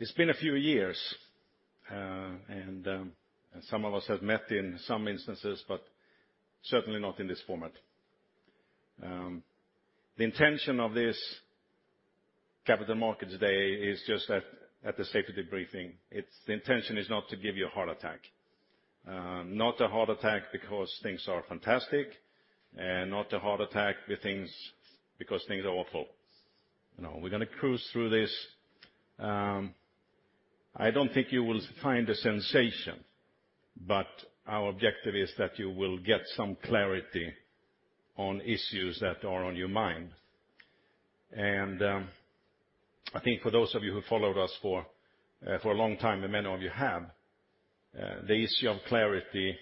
It's been a few years, and some of us have met in some instances, but certainly not in this format. The intention of this Capital Markets Day is just that at the safety briefing, the intention is not to give you a heart attack. Not a heart attack because things are fantastic and not a heart attack with things because things are awful. You know, we're gonna cruise through this. I don't think you will find a sensation, but our objective is that you will get some clarity on issues that are on your mind. I think for those of you who followed us for a long time, and many of you have, the issue of clarity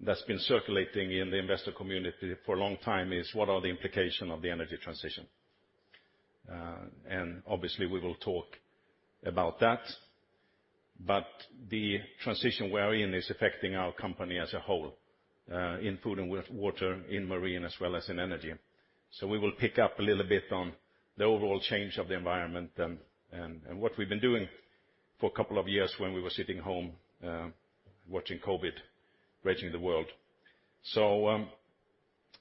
that's been circulating in the investor community for a long time is what are the implication of the energy transition? Obviously we will talk about that, but the transition we're in is affecting our company as a whole, in Food & Water, in Marine, as well as in Energy. We will pick up a little bit on the overall change of the environment and what we've been doing for a couple of years when we were sitting home, watching COVID raging the world.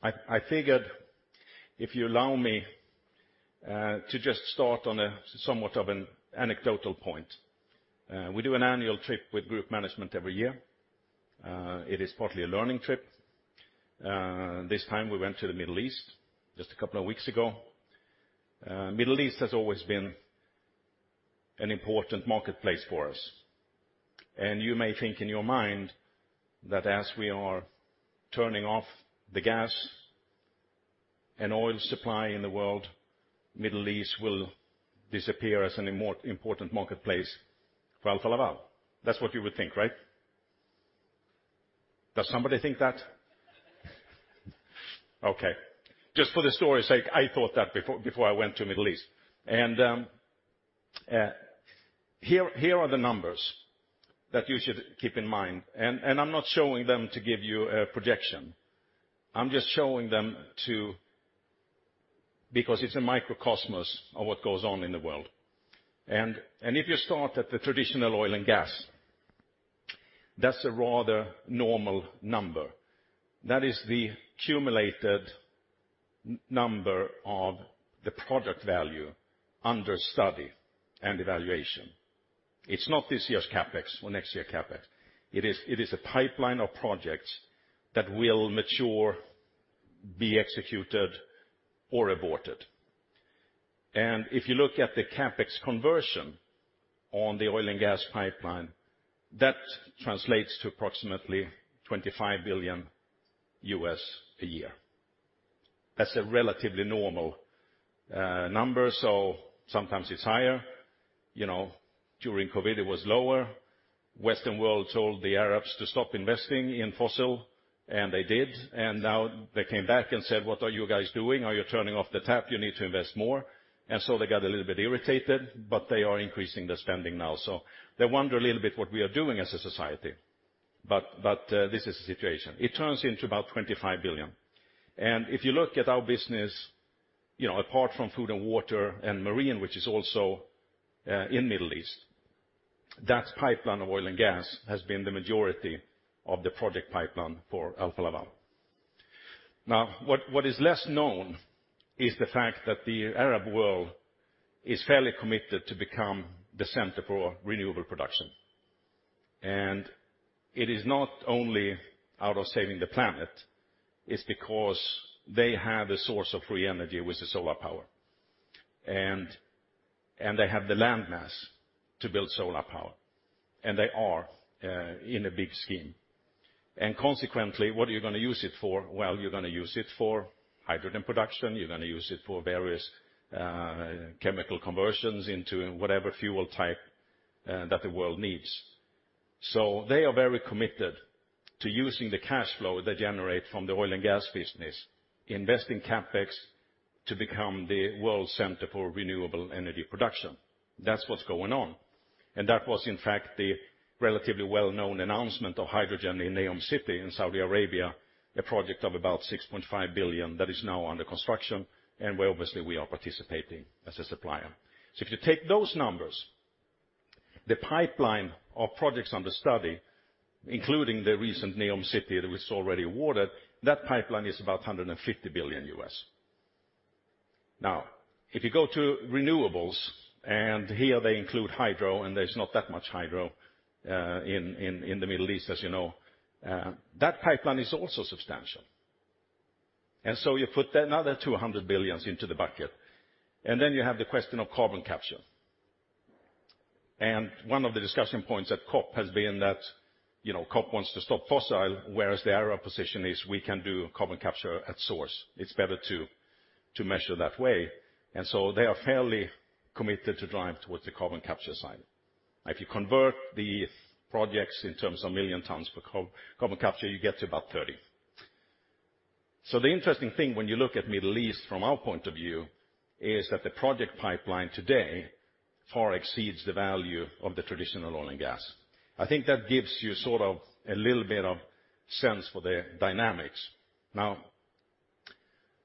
I figured if you allow me to just start on a somewhat of an anecdotal point. We do an annual trip with group management every year. It is partly a learning trip. This time we went to the Middle East just a couple of weeks ago. Middle East has always been an important marketplace for us, and you may think in your mind that as we are turning off the gas and oil supply in the world, Middle East will disappear as an important marketplace for Alfa Laval. That's what you would think, right? Does somebody think that? Okay. Just for the story's sake, I thought that before I went to Middle East. Here are the numbers that you should keep in mind, and I'm not showing them to give you a projection. I'm just showing them because it's a microcosmos of what goes on in the world. If you start at the traditional oil and gas, that's a rather normal number. That is the cumulated number of the project value under study and evaluation. It's not this year's CapEx or next year CapEx. It is a pipeline of projects that will mature, be executed or aborted. If you look at the CapEx conversion on the oil and gas pipeline, that translates to approximately $25 billion a year. That's a relatively normal number. Sometimes it's higher. You know, during COVID, it was lower. Western world told the Arabs to stop investing in fossil, they did. Now they came back and said, "What are you guys doing? Are you turning off the tap? You need to invest more." They got a little bit irritated, but they are increasing the spending now. They wonder a little bit what we are doing as a society, but this is the situation. It turns into about $25 billion. If you look at our business, you know, apart from Food & Water and Marine, which is also in Middle East, that pipeline of oil and gas has been the majority of the project pipeline for Alfa Laval. What is less known is the fact that the Arab world is fairly committed to become the center for renewable production. It is not only out of saving the planet, it's because they have a source of free energy with the solar power, and they have the land mass to build solar power, and they are in a big scheme. Consequently, what are you gonna use it for? Well, you're gonna use it for hydrogen production. You're gonna use it for various chemical conversions into whatever fuel type that the world needs. They are very committed to using the cash flow they generate from the oil and gas business, investing CapEx to become the world center for renewable energy production. That's what's going on. That was, in fact, the relatively well-known announcement of hydrogen in Neom City in Saudi Arabia, a project of about $6.5 billion that is now under construction and where obviously we are participating as a supplier. If you take those numbers, the pipeline of projects under study, including the recent Neom City that was already awarded, that pipeline is about $150 billion. If you go to renewables, and here they include hydro, and there's not that much hydro in the Middle East, as you know, that pipeline is also substantial. You put another $200 billion into the bucket, and then you have the question of carbon capture. One of the discussion points at COP has been that, you know, COP wants to stop fossil, whereas the Arab position is we can do carbon capture at source. It's better to measure that way. They are fairly committed to drive towards the carbon capture side. If you convert the projects in terms of million tons for carbon capture, you get to about 30. The interesting thing when you look at Middle East from our point of view is that the project pipeline today far exceeds the value of the traditional oil and gas. I think that gives you sort of a little bit of sense for the dynamics.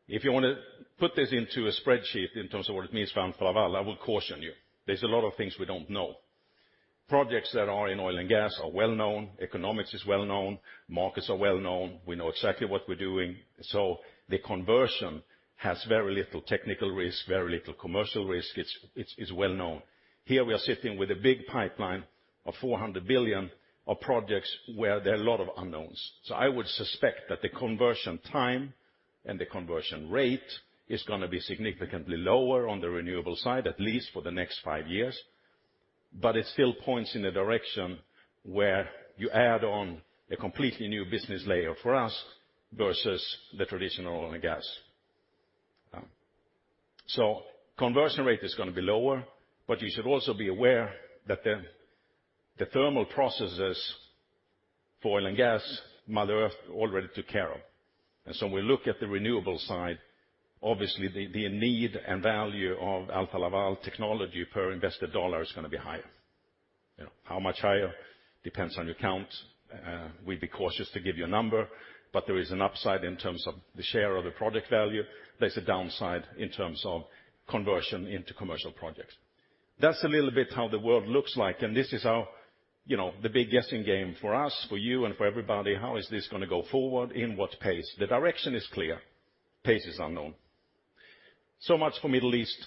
If you want to put this into a spreadsheet in terms of what it means for Alfa Laval, I will caution you. There's a lot of things we don't know. Projects that are in oil and gas are well known, economics is well known, markets are well known. We know exactly what we're doing. The conversion has very little technical risk, very little commercial risk. It's well known. Here we are sitting with a big pipeline of 400 billion of projects where there are a lot of unknowns. I would suspect that the conversion time and the conversion rate is gonna be significantly lower on the renewable side, at least for the next five years. It still points in a direction where you add on a completely new business layer for us versus the traditional oil and gas. Conversion rate is gonna be lower, but you should also be aware that the thermal processes for oil and gas, Mother Earth already took care of. When we look at the renewable side, obviously the need and value of Alfa Laval technology per invested dollar is gonna be higher. You know, how much higher depends on your count. We'd be cautious to give you a number, but there is an upside in terms of the share of the project value. There's a downside in terms of conversion into commercial projects. That's a little bit how the world looks like, and this is our, you know, the big guessing game for us, for you, and for everybody. How is this gonna go forward? In what pace? The direction is clear. Pace is unknown. Much for Middle East.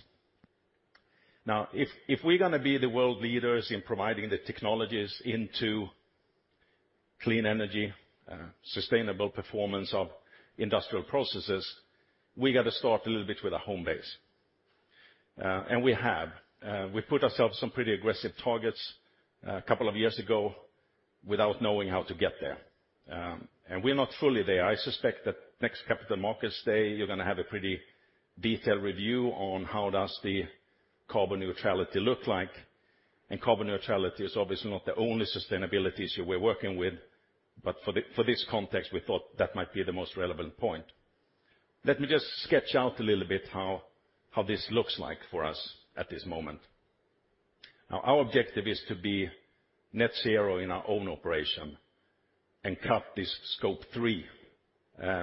Now if we're gonna be the world leaders in providing the technologies into clean energy, sustainable performance of industrial processes, we gotta start a little bit with a home base. We have. We put ourselves some pretty aggressive targets a couple of years ago without knowing how to get there, and we're not fully there. I suspect that next Capital Markets Day you're gonna have a pretty detailed review on how does the carbon neutrality look like. Carbon neutrality is obviously not the only sustainability issue we're working with, but for this context, we thought that might be the most relevant point. Let me just sketch out a little bit how this looks like for us at this moment. Our objective is to be net zero in our own operation and cut this Scope 3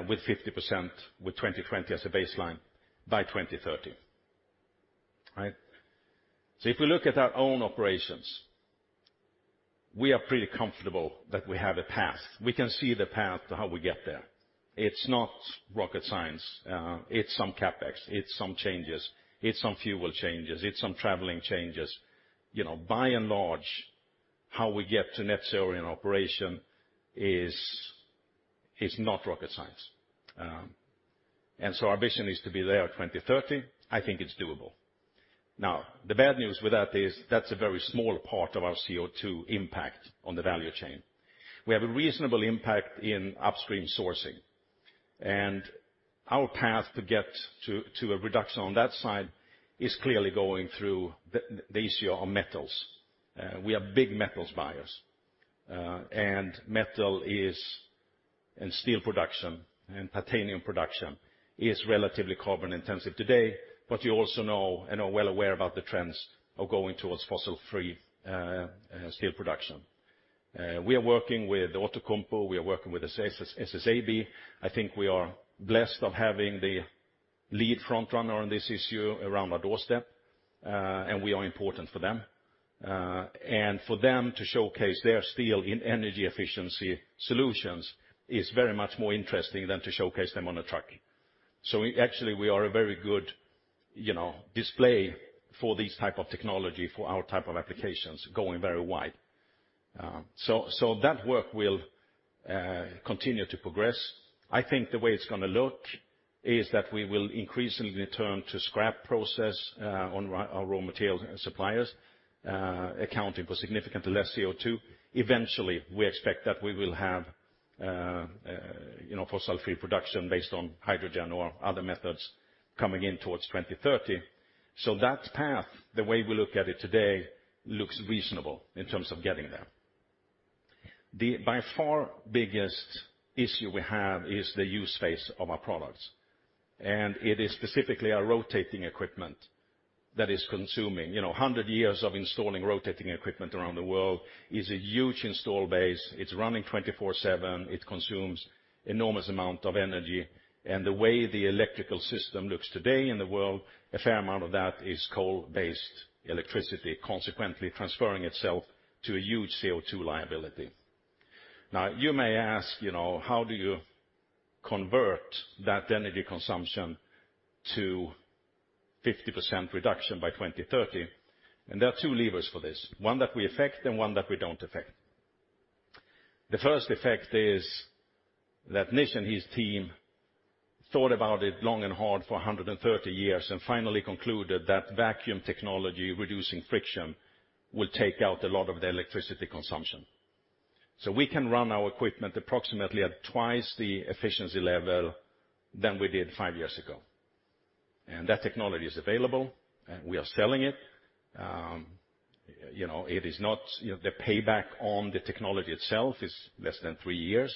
with 50% with 2020 as a baseline by 2030. Right? If we look at our own operations, we are pretty comfortable that we have a path. We can see the path to how we get there. It's not rocket science. It's some CapEx. It's some changes. It's some fuel changes. It's some traveling changes. You know, by and large, how we get to net zero in operation is not rocket science. Our vision is to be there 2030. I think it's doable. The bad news with that is that's a very small part of our CO2 impact on the value chain. We have a reasonable impact in upstream sourcing. Our path to get to a reduction on that side is clearly going through the issue of metals. We are big metals buyers, and metal and steel production and titanium production is relatively carbon intensive today, but you also know and are well aware about the trends are going towards fossil-free steel production. We are working with Outokumpu. We are working with SSAB. I think we are blessed of having the lead front runner on this issue around our doorstep, and we are important for them. For them to showcase their steel in energy efficiency solutions is very much more interesting than to showcase them on a truck. We actually, we are a very good, you know, display for these type of technology, for our type of applications going very wide. That work will continue to progress. I think the way it's gonna look is that we will increasingly turn to scrap process on our raw materials suppliers accounting for significantly less CO2. Eventually, we expect that we will have, you know, fossil-free production based on hydrogen or other methods coming in towards 2030. That path, the way we look at it today, looks reasonable in terms of getting there. The by far biggest issue we have is the use phase of our products, and it is specifically our rotating equipment that is consuming. You know, 100 years of installing rotating equipment around the world is a huge install base. It's running 24/7. It consumes enormous amount of energy. The way the electrical system looks today in the world, a fair amount of that is coal-based electricity, consequently transferring itself to a huge CO2 liability. Now you may ask, you know, how do you convert that energy consumption to 50% reduction by 2030? There are two levers for this, one that we affect and one that we don't affect. The first effect is that Nish and his team thought about it long and hard for 130 years and finally concluded that vacuum technology reducing friction will take out a lot of the electricity consumption. We can run our equipment approximately at twice the efficiency level than we did five years ago. We are selling it. You know, it is not, you know, the payback on the technology itself is less than three years.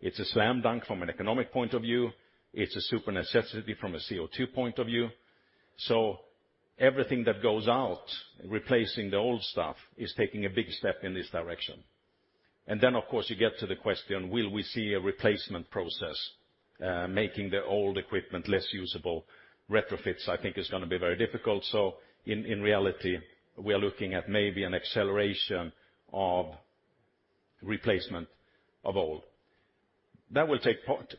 It's a slam dunk from an economic point of view. It's a super necessity from a CO2 point of view. Everything that goes out replacing the old stuff is taking a big step in this direction. Of course, you get to the question, will we see a replacement process, making the old equipment less usable? Retrofits, I think, is gonna be very difficult. In, in reality, we are looking at maybe an acceleration of replacement of old. That will take part,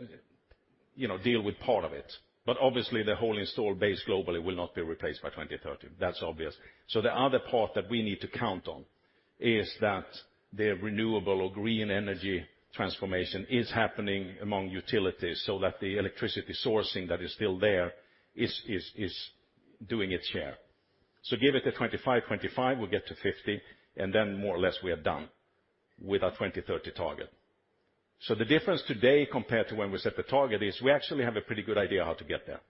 you know, deal with part of it, but obviously the whole installed base globally will not be replaced by 2030. That's obvious. The other part that we need to count on is that the renewable or green energy transformation is happening among utilities, that the electricity sourcing that is still there is doing its share. Give it to 25, we'll get to 50, and then more or less we are done with our 2030 target. The difference today compared to when we set the target is we actually have a pretty good idea how to get there.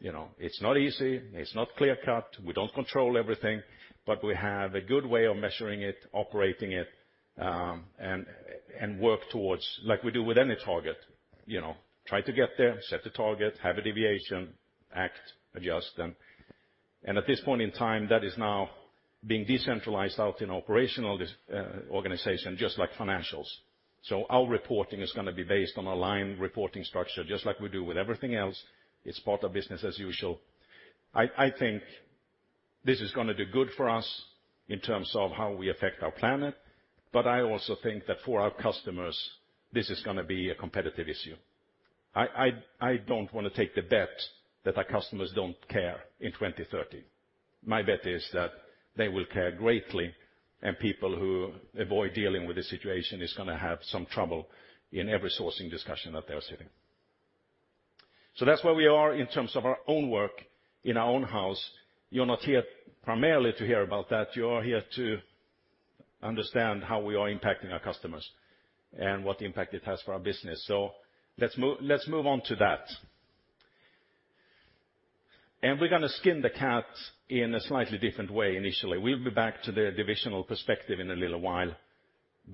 You know, it's not easy, it's not clear-cut, we don't control everything, but we have a good way of measuring it, operating it, and work towards, like we do with any target. You know, try to get there, set the target, have a deviation, act, adjust. At this point in time, that is now being decentralized out in operational this organization, just like financials. Our reporting is gonna be based on a line reporting structure, just like we do with everything else. It's part of business as usual. I think this is gonna do good for us in terms of how we affect our planet, but I also think that for our customers, this is gonna be a competitive issue. I don't wanna take the bet that our customers don't care in 2030. My bet is that they will care greatly, and people who avoid dealing with the situation is gonna have some trouble in every sourcing discussion that they are sitting. That's where we are in terms of our own work in our own house. You're not here primarily to hear about that. You are here to understand how we are impacting our customers and what impact it has for our business. Let's move on to that. We're gonna skin the cat in a slightly different way initially. We'll be back to the divisional perspective in a little while.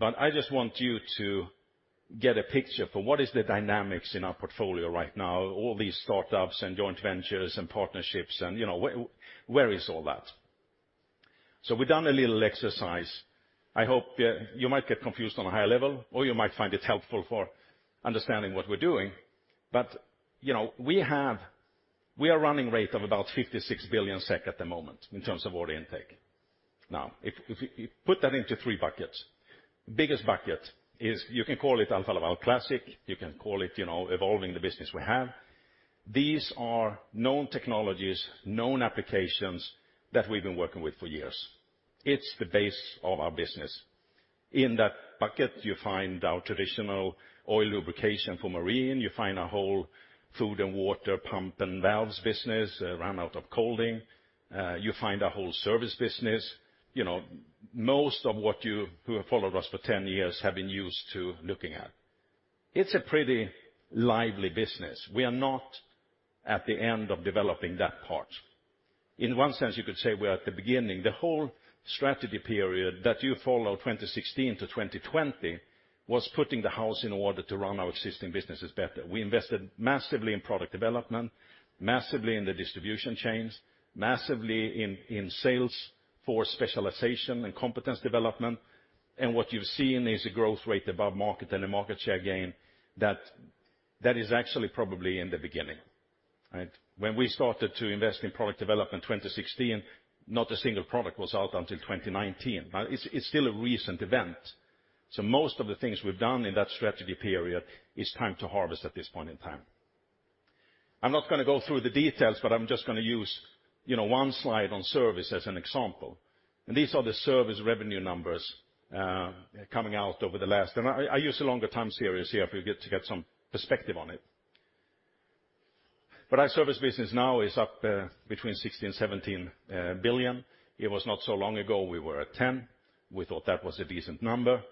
I just want you to get a picture for what is the dynamics in our portfolio right now, all these startups and joint ventures and partnerships and, you know, where is all that? We've done a little exercise. I hope you might get confused on a higher level, or you might find it helpful for understanding what we're doing. you know, we have... we are running rate of about 56 billion SEK at the moment in terms of order intake. If you put that into three buckets, biggest bucket is you can call it Alfa Laval classic, you can call it, you know, evolving the business we have. These are known technologies, known applications that we've been working with for years. It's the base of our business. In that bucket, you find our traditional oil lubrication for Marine, you find a whole Food & Water pumps and valves business ran out of Kolding, you find a whole service business. You know, most of what you who have followed us for 10 years have been used to looking at. It's a pretty lively business. We are not at the end of developing that part. In one sense, you could say we're at the beginning. The whole strategy period that you follow 2016-2020 was putting the house in order to run our existing businesses better. We invested massively in product development, massively in the distribution chains, massively in sales for specialization and competence development. What you've seen is a growth rate above market and a market share gain that is actually probably in the beginning, right? When we started to invest in product development in 2016, not a single product was out until 2019. It's still a recent event. Most of the things we've done in that strategy period, it's time to harvest at this point in time. I'm not gonna go through the details, but I'm just gonna use, you know, one slide on service as an example. These are the service revenue numbers coming out over the last... I use a longer time series here for you get-to-get some perspective on it. Our service business now is up between 16 billion-17 billion. It was not so long ago, we were at 10 billion. We thought that was a decent number.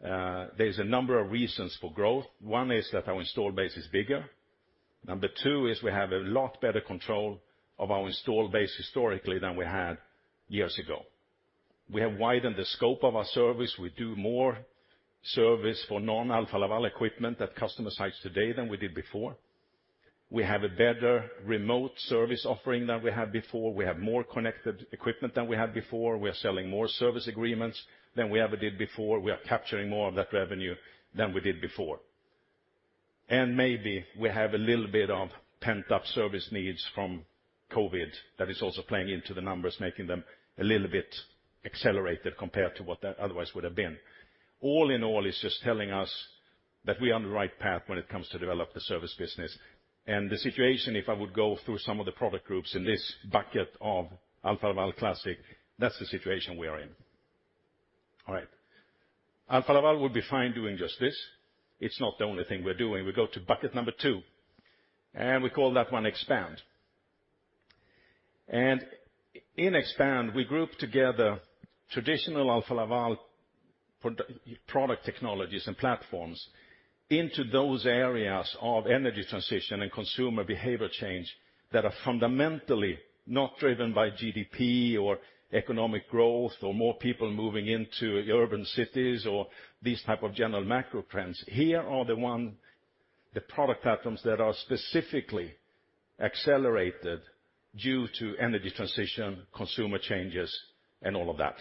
There's a number of reasons for growth. One is that our install base is bigger. Number two is we have a lot better control of our install base historically than we had years ago. We have widened the scope of our service. We do more service for non-Alfa Laval equipment at customer sites today than we did before. We have a better remote service offering than we had before. We have more connected equipment than we had before. We are selling more service agreements than we ever did before. We are capturing more of that revenue than we did before. Maybe we have a little bit of pent-up service needs from COVID that is also playing into the numbers, making them a little bit accelerated compared to what that otherwise would have been. All in all, it's just telling us that we're on the right path when it comes to develop the service business. The situation, if I would go through some of the product groups in this bucket of Alfa Laval classic, that's the situation we are in. All right. Alfa Laval would be fine doing just this. It's not the only thing we're doing. We go to bucket number two, and we call that one expand. In expand, we group together traditional Alfa Laval product technologies and platforms into those areas of energy transition and consumer behavior change that are fundamentally not driven by GDP or economic growth or more people moving into urban cities or these type of general macro trends. Here are the one, the product items that are specifically accelerated due to energy transition, consumer changes, and all of that.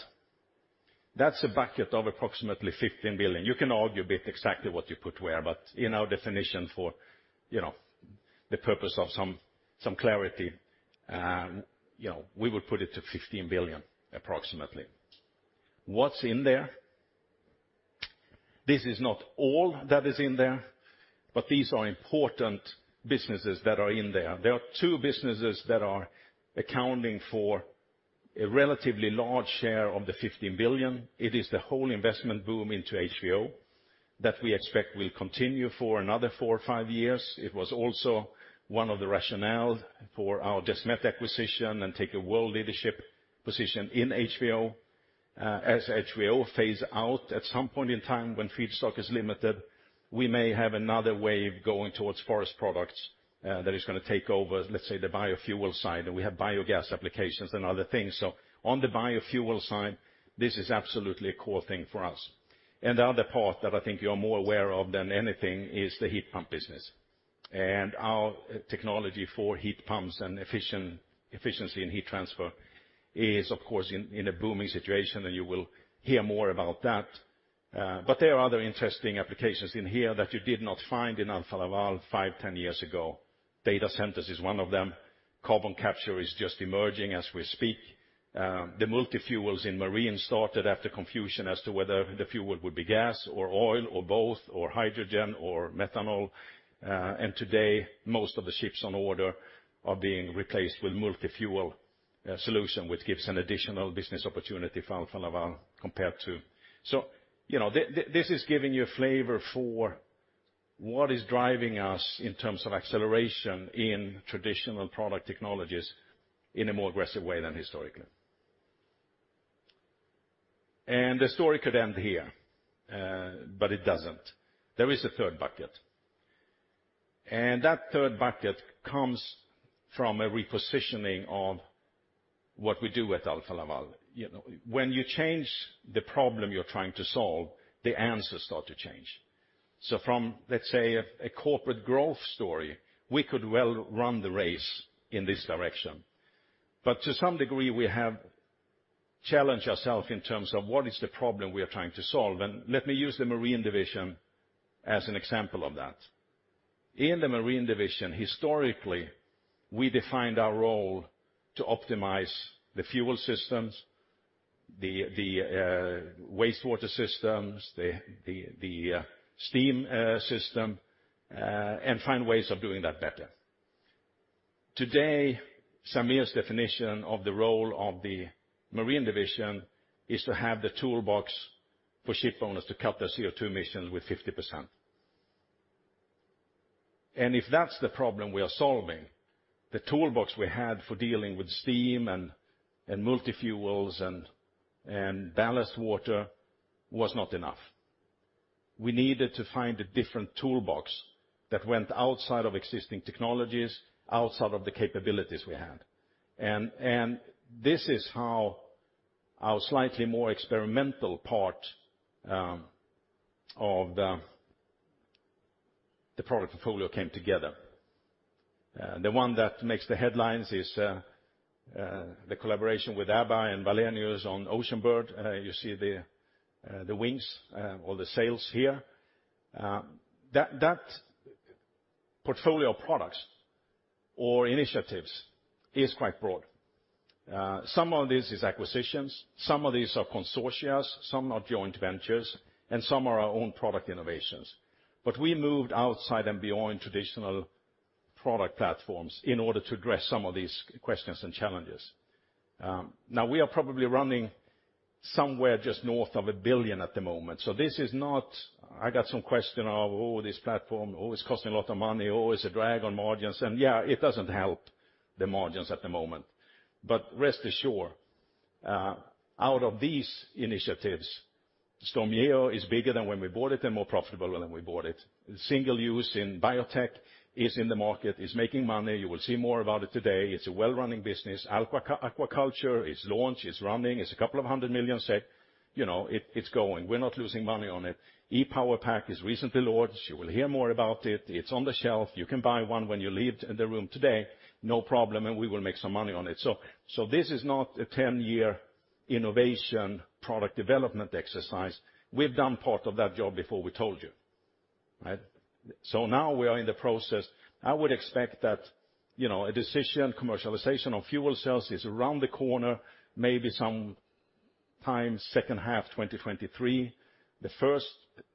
That's a bucket of approximately 15 billion. You can argue a bit exactly what you put where, but in our definition for, you know, the purpose of some clarity, you know, we would put it to 15 billion approximately. What's in there? This is not all that is in there, but these are important businesses that are in there. There are two businesses that are accounting for a relatively large share of the 15 billion. It is the whole investment boom into HVO that we expect will continue for another four or five years. It was also one of the rationale for our Desmet acquisition and take a world leadership position in HVO. As HVO phase out, at some point in time when feedstock is limited, we may have another wave going towards forest products, that is gonna take over, let's say, the biofuel side, and we have biogas applications and other things. On the biofuel side, this is absolutely a core thing for us. The other part that I think you're more aware of than anything is the heat pump business. Our technology for heat pumps and efficiency in heat transfer is, of course, in a booming situation, and you will hear more about that. There are other interesting applications in here that you did not find in Alfa Laval five, 10 years ago. Data centers is one of them. Carbon capture is just emerging as we speak. The multi-fuels in Marine started after confusion as to whether the fuel would be gas or oil or both or hydrogen or methanol. Today, most of the ships on order are being replaced with multi-fuel, solution, which gives an additional business opportunity for Alfa Laval compared to. You know, this is giving you a flavor for what is driving us in terms of acceleration in traditional product technologies in a more aggressive way than historically. The story could end here, but it doesn't. There is a third bucket. That third bucket comes from a repositioning of what we do at Alfa Laval. You know, when you change the problem you're trying to solve, the answers start to change. From, let's say, a corporate growth story, we could well run the race in this direction. To some degree, we have challenged ourselves in terms of what is the problem we are trying to solve. Let me use the Marine Division as an example of that. In the Marine Division, historically, we defined our role to optimize the fuel systems, the wastewater systems, the steam system, and find ways of doing that better. Today, Sameer's definition of the role of the Marine Division is to have the toolbox for shipowners to cut their CO2 emissions with 50%. If that's the problem we are solving, the toolbox we had for dealing with steam and multi-fuels and ballast water was not enough. We needed to find a different toolbox that went outside of existing technologies, outside of the capabilities we had. This is how our slightly more experimental part of the product portfolio came together. The one that makes the headlines is the collaboration with ABBA and Wallenius on Oceanbird. You see the wings or the sails here. That portfolio of products or initiatives is quite broad. Some of this is acquisitions, some of these are consortias, some are joint ventures, and some are our own product innovations. We moved outside and beyond traditional product platforms in order to address some of these questions and challenges. Now we are probably running somewhere just north of 1 billion at the moment. This is not... I got some question of, oh, this platform, oh, it's costing a lot of money, oh, it's a drag on margins. Yeah, it doesn't help the margins at the moment. Rest assured, out of these initiatives, StormGeo is bigger than when we bought it and more profitable than when we bought it. single use in biotech is in the market, is making money. You will see more about it today. It's a well-running business. aquaculture, it's launched, it's running. It's a couple of hundred million SEK. You know, it's going. We're not losing money on it. E-PowerPack is recently launched. You will hear more about it. It's on the shelf. You can buy one when you leave the room today, no problem, and we will make some money on it. This is not a 10-year innovation product development exercise. We've done part of that job before we told you, right? Now we are in the process. I would expect that, you know, a decision commercialization of fuel cells is around the corner, maybe sometime second half 2023. The first,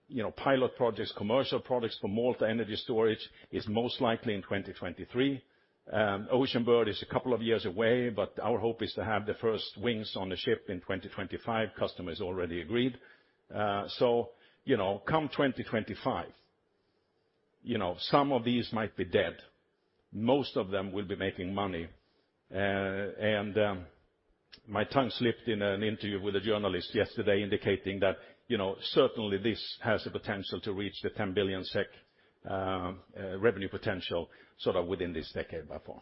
you know, pilot projects, commercial products for multi-energy storage is most likely in 2023. Oceanbird is a couple of years away, but our hope is to have the first wings on the ship in 2025. Customers already agreed. You know, come 2025, you know, some of these might be dead. Most of them will be making money. My tongue slipped in an interview with a journalist yesterday indicating that, you know, certainly this has the potential to reach the 10 billion SEK revenue potential sort of within this decade, by far.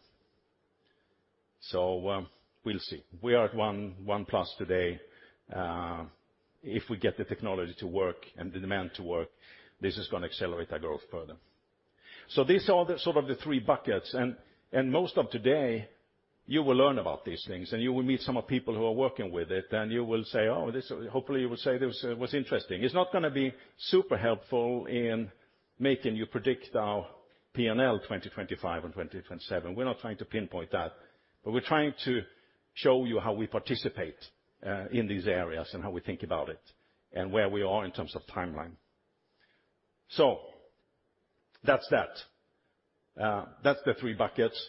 We'll see. We are at 1.1 plus today. If we get the technology to work and the demand to work, this is going to accelerate our growth further. These are the sort of the three buckets and most of today, you will learn about these things, and you will meet some of the people who are working with it, and you will say, "This was interesting." It's not going to be super helpful in making you predict our P&L 2025 and 2027. We're not trying to pinpoint that, but we're trying to show you how we participate in these areas and how we think about it and where we are in terms of timeline. That's that. That's the three buckets.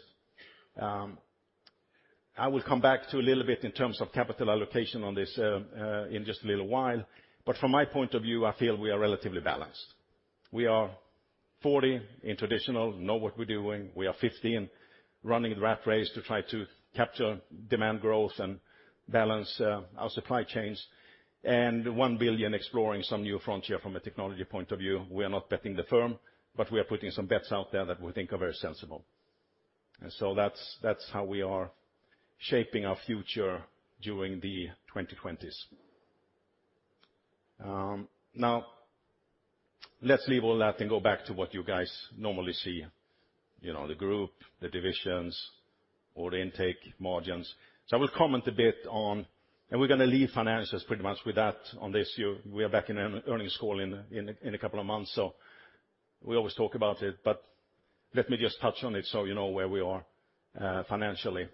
I will come back to a little bit in terms of capital allocation on this in just a little while. From my point of view, I feel we are relatively balanced. We are 40 in traditional, know what we're doing. We are 15 running the rat race to try to capture demand growth and balance our supply chains. 1 billion exploring some new frontier from a technology point of view. We are not betting the firm, but we are putting some bets out there that we think are very sensible. That's, that's how we are shaping our future during the 2020s. Now let's leave all that and go back to what you guys normally see. You know, the group, the divisions, order intake, margins. I will comment a bit on... We're gonna leave financials pretty much with that on this year. We are back in an earnings call in a couple of months, so we always talk about it. Let me just touch on it so you know where we are financially.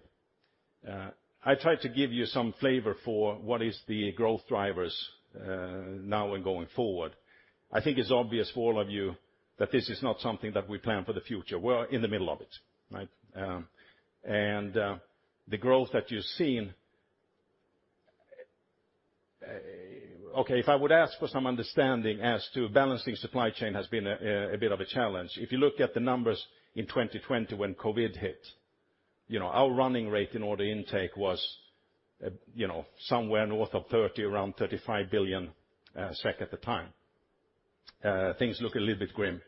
I tried to give you some flavor for what is the growth drivers now and going forward. I think it's obvious for all of you that this is not something that we plan for the future. We're in the middle of it, right? The growth that you're seeing. Okay, if I would ask for some understanding as to balancing supply chain has been a bit of a challenge. If you look at the numbers in 2020 when COVID hit, you know, our running rate in order intake was, you know, somewhere north of 30, around 35 billion SEK at the time. Things look a little bit grim.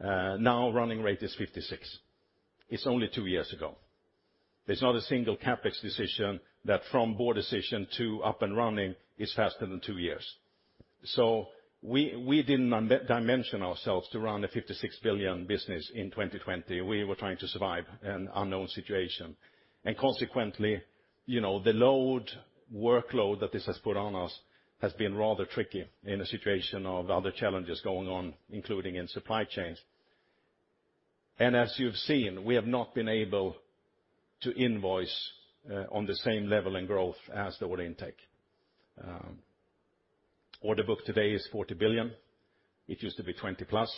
Now running rate is 56. It's only two years ago. There's not a single CapEx decision that from board decision to up and running is faster than two years. We didn't dimension ourselves to run a 56 billion business in 2020. We were trying to survive an unknown situation. Consequently, you know, the load, workload that this has put on us has been rather tricky in a situation of other challenges going on, including in supply chains. As you've seen, we have not been able to invoice on the same level in growth as the order intake. Order book today is 40 billion. It used to be 20 plus.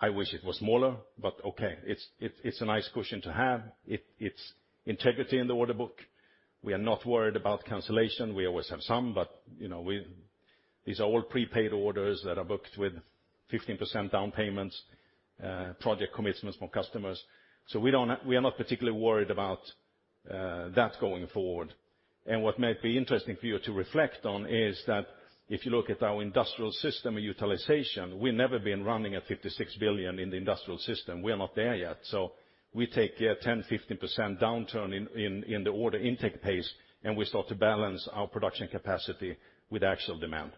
I wish it was smaller, but okay. It's a nice cushion to have. It's integrity in the order book. We are not worried about cancellation. We always have some, but, you know, these are all prepaid orders that are booked with 15% down payments, project commitments from customers. We don't, we are not particularly worried about that going forward. What might be interesting for you to reflect on is that if you look at our industrial system utilization, we've never been running at 56 billion in the industrial system. We are not there yet. We take a 10%-15% downturn in the order intake pace, and we start to balance our production capacity with actual demand.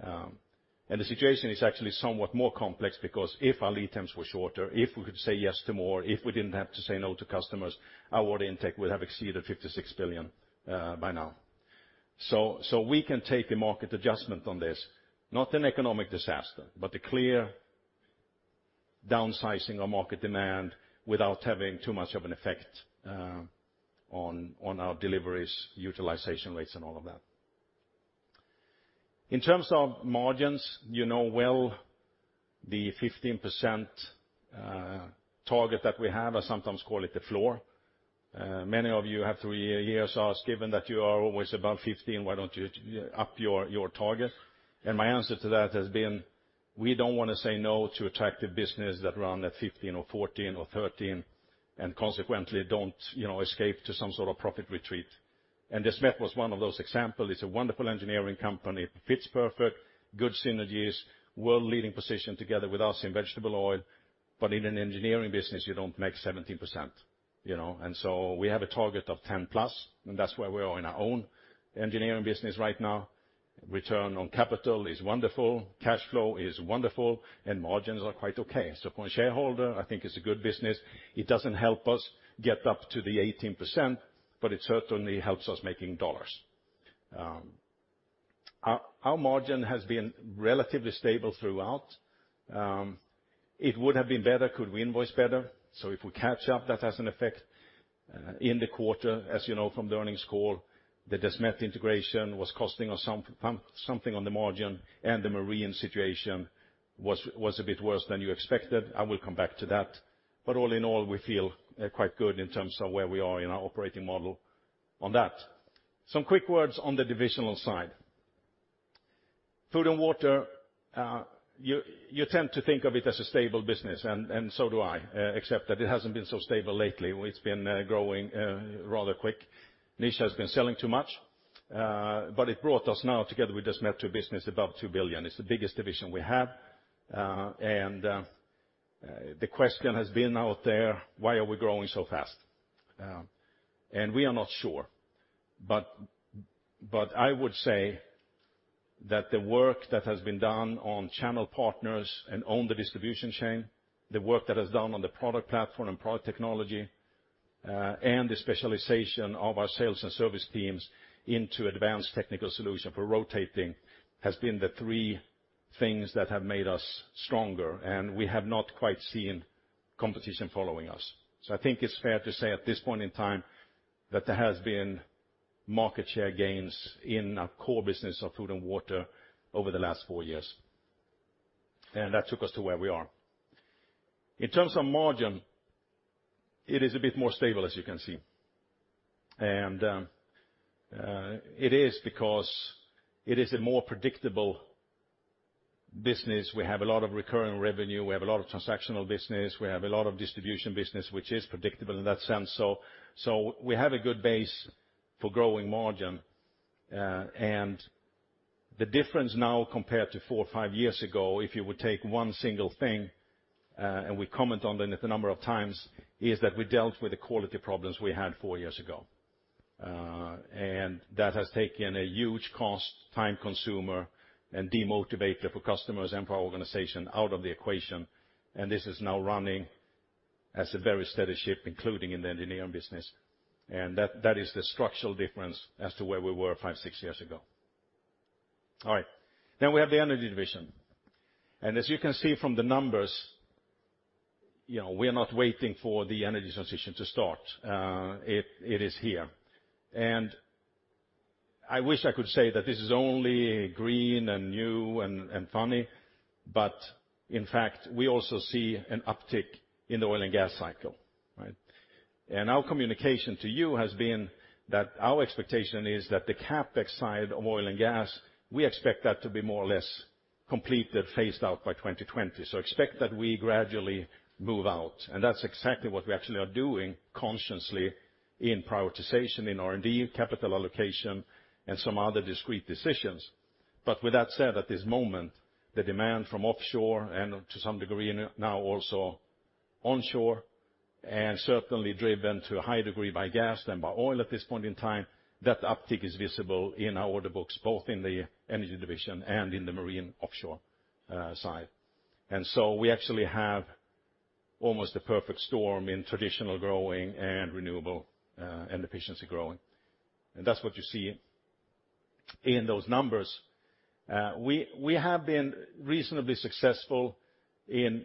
The situation is actually somewhat more complex because if our lead times were shorter, if we could say yes to more, if we didn't have to say no to customers, our order intake would have exceeded 56 billion by now. We can take a market adjustment on this, not an economic disaster, but a clear downsizing of market demand without having too much of an effect on our deliveries, utilization rates, and all of that. In terms of margins, you know well the 15% target that we have. I sometimes call it the floor. Many of you have through years asked, "Given that you are always above 15, why don't you up your target?" My answer to that has been, we don't want to say no to attractive business that run at 15 or 14 or 13 and consequently don't, you know, escape to some sort of profit retreat. Desmet was one of those example. It's a wonderful engineering company. It fits perfect. Good synergies. World-leading position together with us in vegetable oil. In an engineering business, you don't make 17%, you know? We have a target of 10 plus, and that's where we are in our own engineering business right now. Return on capital is wonderful. Cash flow is wonderful. Margins are quite okay. From a shareholder, I think it's a good business. It doesn't help us get up to the 18%, but it certainly helps us making dollars. Our margin has been relatively stable throughout. It would have been better could we invoice better. If we catch up, that has an effect. In the quarter, as you know from the earnings call, the Desmet integration was costing us something on the margin, and the Marine situation was a bit worse than you expected. I will come back to that. All in all, we feel quite good in terms of where we are in our operating model on that. Some quick words on the divisional side. Food & Water, you tend to think of it as a stable business, and so do I, except that it hasn't been so stable lately. It's been growing rather quick. Nish has been selling too much. It brought us now together with this Desmet business above $2 billion. It's the biggest division we have. The question has been out there, why are we growing so fast? We are not sure. I would say that the work that has been done on channel partners and on the distribution chain, the work that is done on the product platform and product technology, and the specialization of our sales and service teams into advanced technical solution for rotating has been the three things that have made us stronger, and we have not quite seen competition following us. I think it's fair to say at this point in time, that there has been market share gains in our core business of Food & Water over the last four years. That took us to where we are. In terms of margin, it is a bit more stable, as you can see. It is because it is a more predictable business. We have a lot of recurring revenue, we have a lot of transactional business, we have a lot of distribution business, which is predictable in that sense. So we have a good base for growing margin. The difference now compared to four or five years ago, if you would take one single thing, and we comment on the number of times, is that we dealt with the quality problems we had four years ago. That has taken a huge cost, time consumer, and demotivator for customers and for our organization out of the equation. This is now running as a very steady ship, including in the engineering business. That is the structural difference as to where we were five, six years ago. All right. We have the Energy Division. As you can see from the numbers, you know, we are not waiting for the energy transition to start. It is here. I wish I could say that this is only green and new and funny. In fact, we also see an uptick in the oil and gas cycle, right? Our communication to you has been that our expectation is that the CapEx side of oil and gas, we expect that to be more or less completed, phased out by 2020. Expect that we gradually move out, and that's exactly what we actually are doing consciously in prioritization, in R&D, capital allocation, and some other discrete decisions. With that said, at this moment, the demand from offshore and to some degree now also onshore, and certainly driven to a high degree by gas than by oil at this point in time, that uptick is visible in our order books, both in the Energy Division and in the Marine offshore side. We actually have almost a perfect storm in traditional growing and renewable and efficiency growing. That's what you see in those numbers. We have been reasonably successful in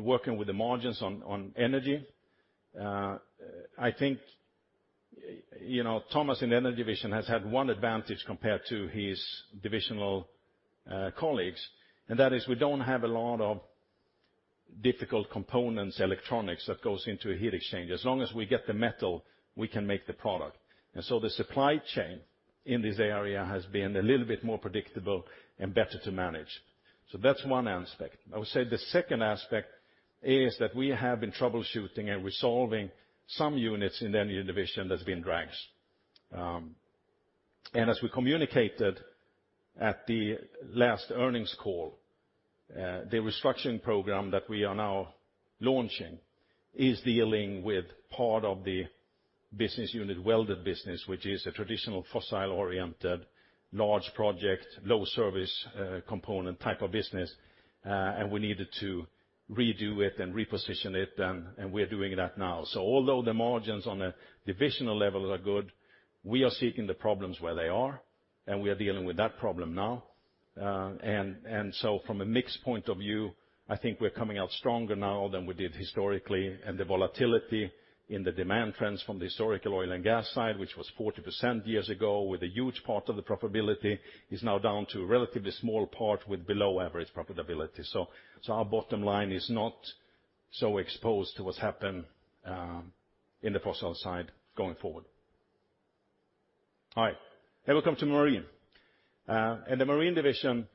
working with the margins on energy. I think, you know, Thomas in the Energy Division has had one advantage compared to his divisional colleagues, and that is we don't have a lot of difficult components, electronics that goes into a heat exchange. As long as we get the metal, we can make the product. The supply chain in this area has been a little bit more predictable and better to manage. That's one aspect. I would say the second aspect is that we have been troubleshooting and resolving some units in the Energy Division that's been drags. As we communicated at the last earnings call, the restructuring program that we are now launching is dealing with part of the Business Unit Welded Business, which is a traditional fossil-oriented, large project, low service, component type of business. We needed to redo it and reposition it done, and we're doing that now. Although the margins on a divisional level are good, we are seeking the problems where they are, and we are dealing with that problem now. From a mix point of view, I think we're coming out stronger now than we did historically. The volatility in the demand trends from the historical oil and gas side, which was 40% years ago, with a huge part of the profitability, is now down to a relatively small part with below average profitability. Our bottom line is not so exposed to what's happened in the fossil side going forward. All right. We come to Marine. The Marine Division,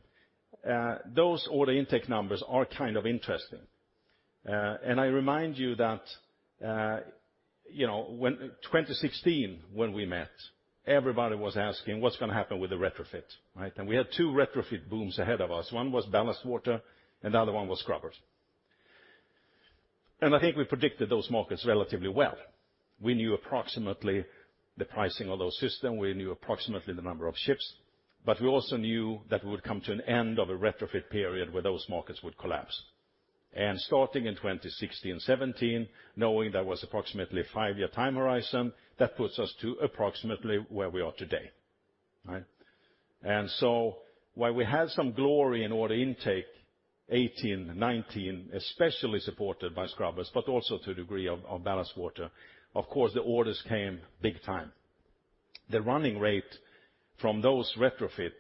those order intake numbers are kind of interesting. I remind you that, you know, 2016 when we met, everybody was asking, "What's gonna happen with the retrofit?" Right? We had two retrofit booms ahead of us. One was ballast water, and the other one was scrubbers. I think we predicted those markets relatively well. We knew approximately the pricing of those system. We knew approximately the number of ships. We also knew that we would come to an end of a retrofit period where those markets would collapse. Starting in 2016, 2017, knowing there was approximately five year time horizon, that puts us to approximately where we are today. Right? While we had some glory in order intake 2018, 2019, especially supported by scrubbers, but also to a degree of ballast water, of course, the orders came big time. The running rate from those retrofit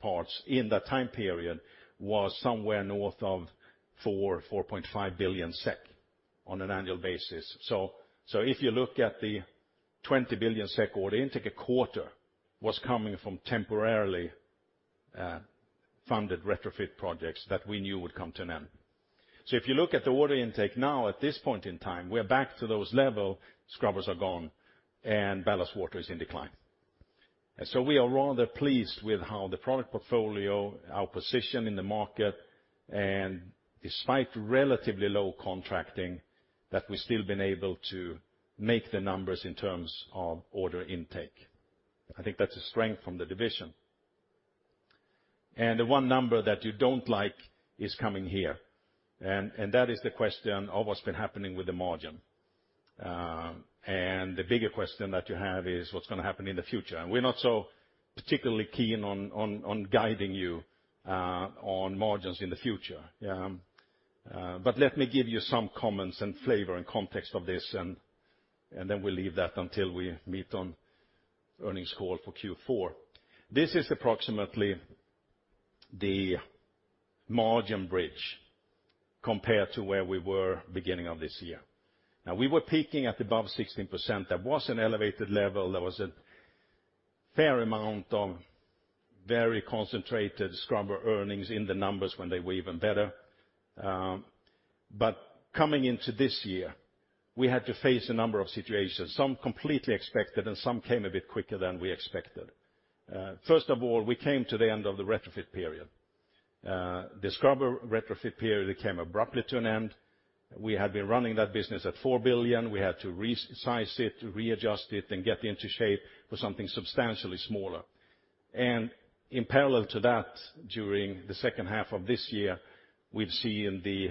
parts in that time period was somewhere north of 4 billion-4.5 billion SEK on an annual basis. If you look at the 20 billion SEK order intake a quarter, was coming from temporarily funded retrofit projects that we knew would come to an end. If you look at the order intake now at this point in time, we are back to those level, scrubbers are gone, and ballast water is in decline. We are rather pleased with how the product portfolio, our position in the market, and despite relatively low contracting, that we've still been able to make the numbers in terms of order intake. I think that's a strength from the division. The one number that you don't like is coming here. That is the question of what's been happening with the margin. The bigger question that you have is what's gonna happen in the future? We're not so particularly keen on guiding you on margins in the future. Let me give you some comments and flavor and context of this and then we'll leave that until we meet on earnings call for Q4. This is approximately the margin bridge compared to where we were beginning of this year. Now, we were peaking at above 16%. That was an elevated level. There was a fair amount of very concentrated scrubber earnings in the numbers when they were even better. Coming into this year, we had to face a number of situations, some completely expected and some came a bit quicker than we expected. First of all, we came to the end of the retrofit period. The scrubber retrofit period came abruptly to an end. We had been running that business at 4 billion. We had to resize it, readjust it, and get into shape for something substantially smaller. In parallel to that, during the second half of this year, we've seen the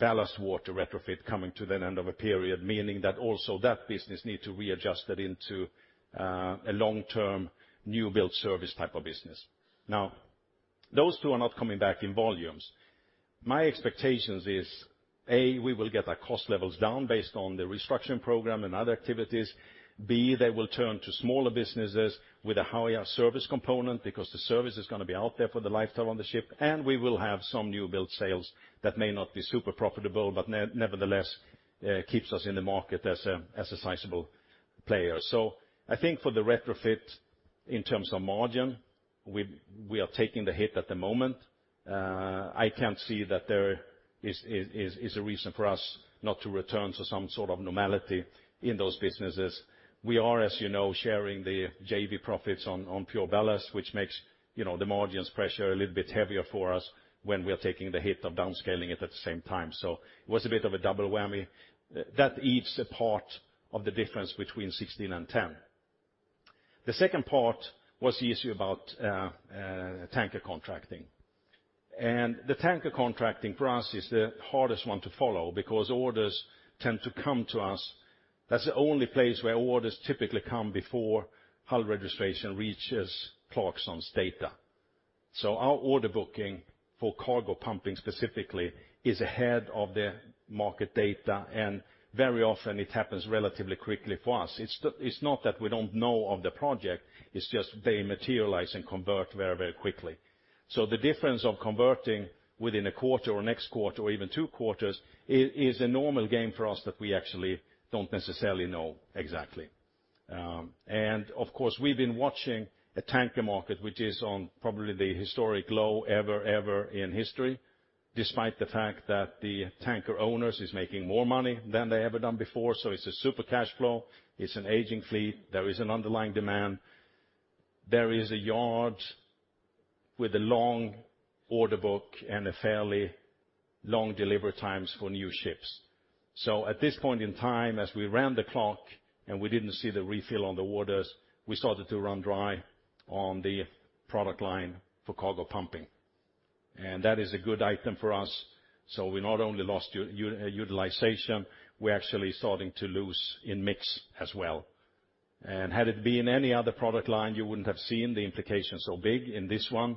ballast water retrofit coming to an end of a period, meaning that also that business need to readjust it into a long-term new build service type of business. Now, those two are not coming back in volumes. My expectations is, A, we will get our cost levels down based on the restructuring program and other activities. B, they will turn to smaller businesses with a higher service component, because the service is gonna be out there for the lifetime of the ship. We will have some new build sales that may not be super profitable, but nevertheless keeps us in the market as a sizable player. I think for the retrofit in terms of margin, we are taking the hit at the moment. I can't see that there is a reason for us not to return to some sort of normality in those businesses. We are, as you know, sharing the JV profits on PureBallast, which makes, you know, the margins pressure a little bit heavier for us when we're taking the hit of downscaling it at the same time. It was a bit of a double whammy. That eats a part of the difference between 16 and 10. The second part was the issue about tanker contracting. The tanker contracting for us is the hardest one to follow because orders tend to come to us. That's the only place where orders typically come before hull registration reaches Clarksons' data. Our order booking for cargo pumping specifically is ahead of the market data, and very often it happens relatively quickly for us. It's not that we don't know of the project, it's just they materialize and convert very, very quickly. The difference of converting within a quarter or next quarter or even two quarters is a normal game for us that we actually don't necessarily know exactly. Of course, we've been watching a tanker market, which is on probably the historic low ever in history, despite the fact that the tanker owners is making more money than they ever done before. It's a super cash flow. It's an aging fleet. There is an underlying demand. There is a yard with a long order book and a fairly long delivery times for new ships. At this point in time, as we round the clock and we didn't see the refill on the waters, we started to run dry on the product line for cargo pumping. That is a good item for us. We not only lost utilization, we're actually starting to lose in mix as well. Had it been any other product line, you wouldn't have seen the implications so big in this one,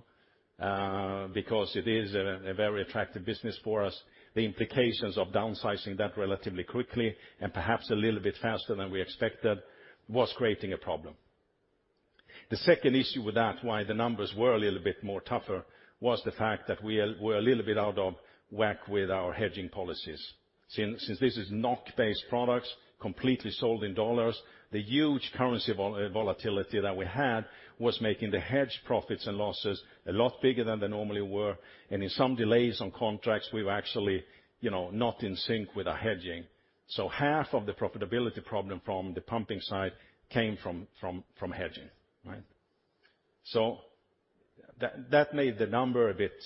because it is a very attractive business for us. The implications of downsizing that relatively quickly, and perhaps a little bit faster than we expected, was creating a problem. The second issue with that, why the numbers were a little bit more tougher, was the fact that we're a little bit out of whack with our hedging policies. Since this is NOK-based products, completely sold in dollars, the huge currency volatility that we had was making the hedge profits and losses a lot bigger than they normally were. In some delays on contracts, we were actually, you know, not in sync with our hedging. Half of the profitability problem from the pumping side came from hedging, right? That made the number a bit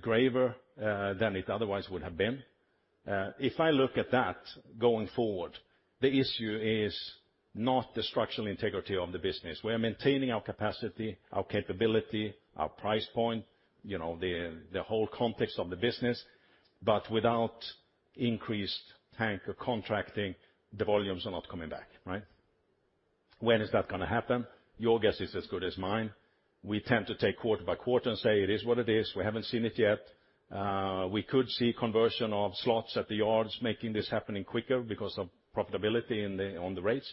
graver than it otherwise would have been. If I look at that going forward, the issue is not the structural integrity of the business. We are maintaining our capacity, our capability, our price point, you know, the whole context of the business, without increased tanker contracting, the volumes are not coming back, right? When is that gonna happen? Your guess is as good as mine. We tend to take quarter-by-quarter and say it is what it is. We haven't seen it yet. We could see conversion of slots at the yards making this happening quicker because of profitability in the, on the rates.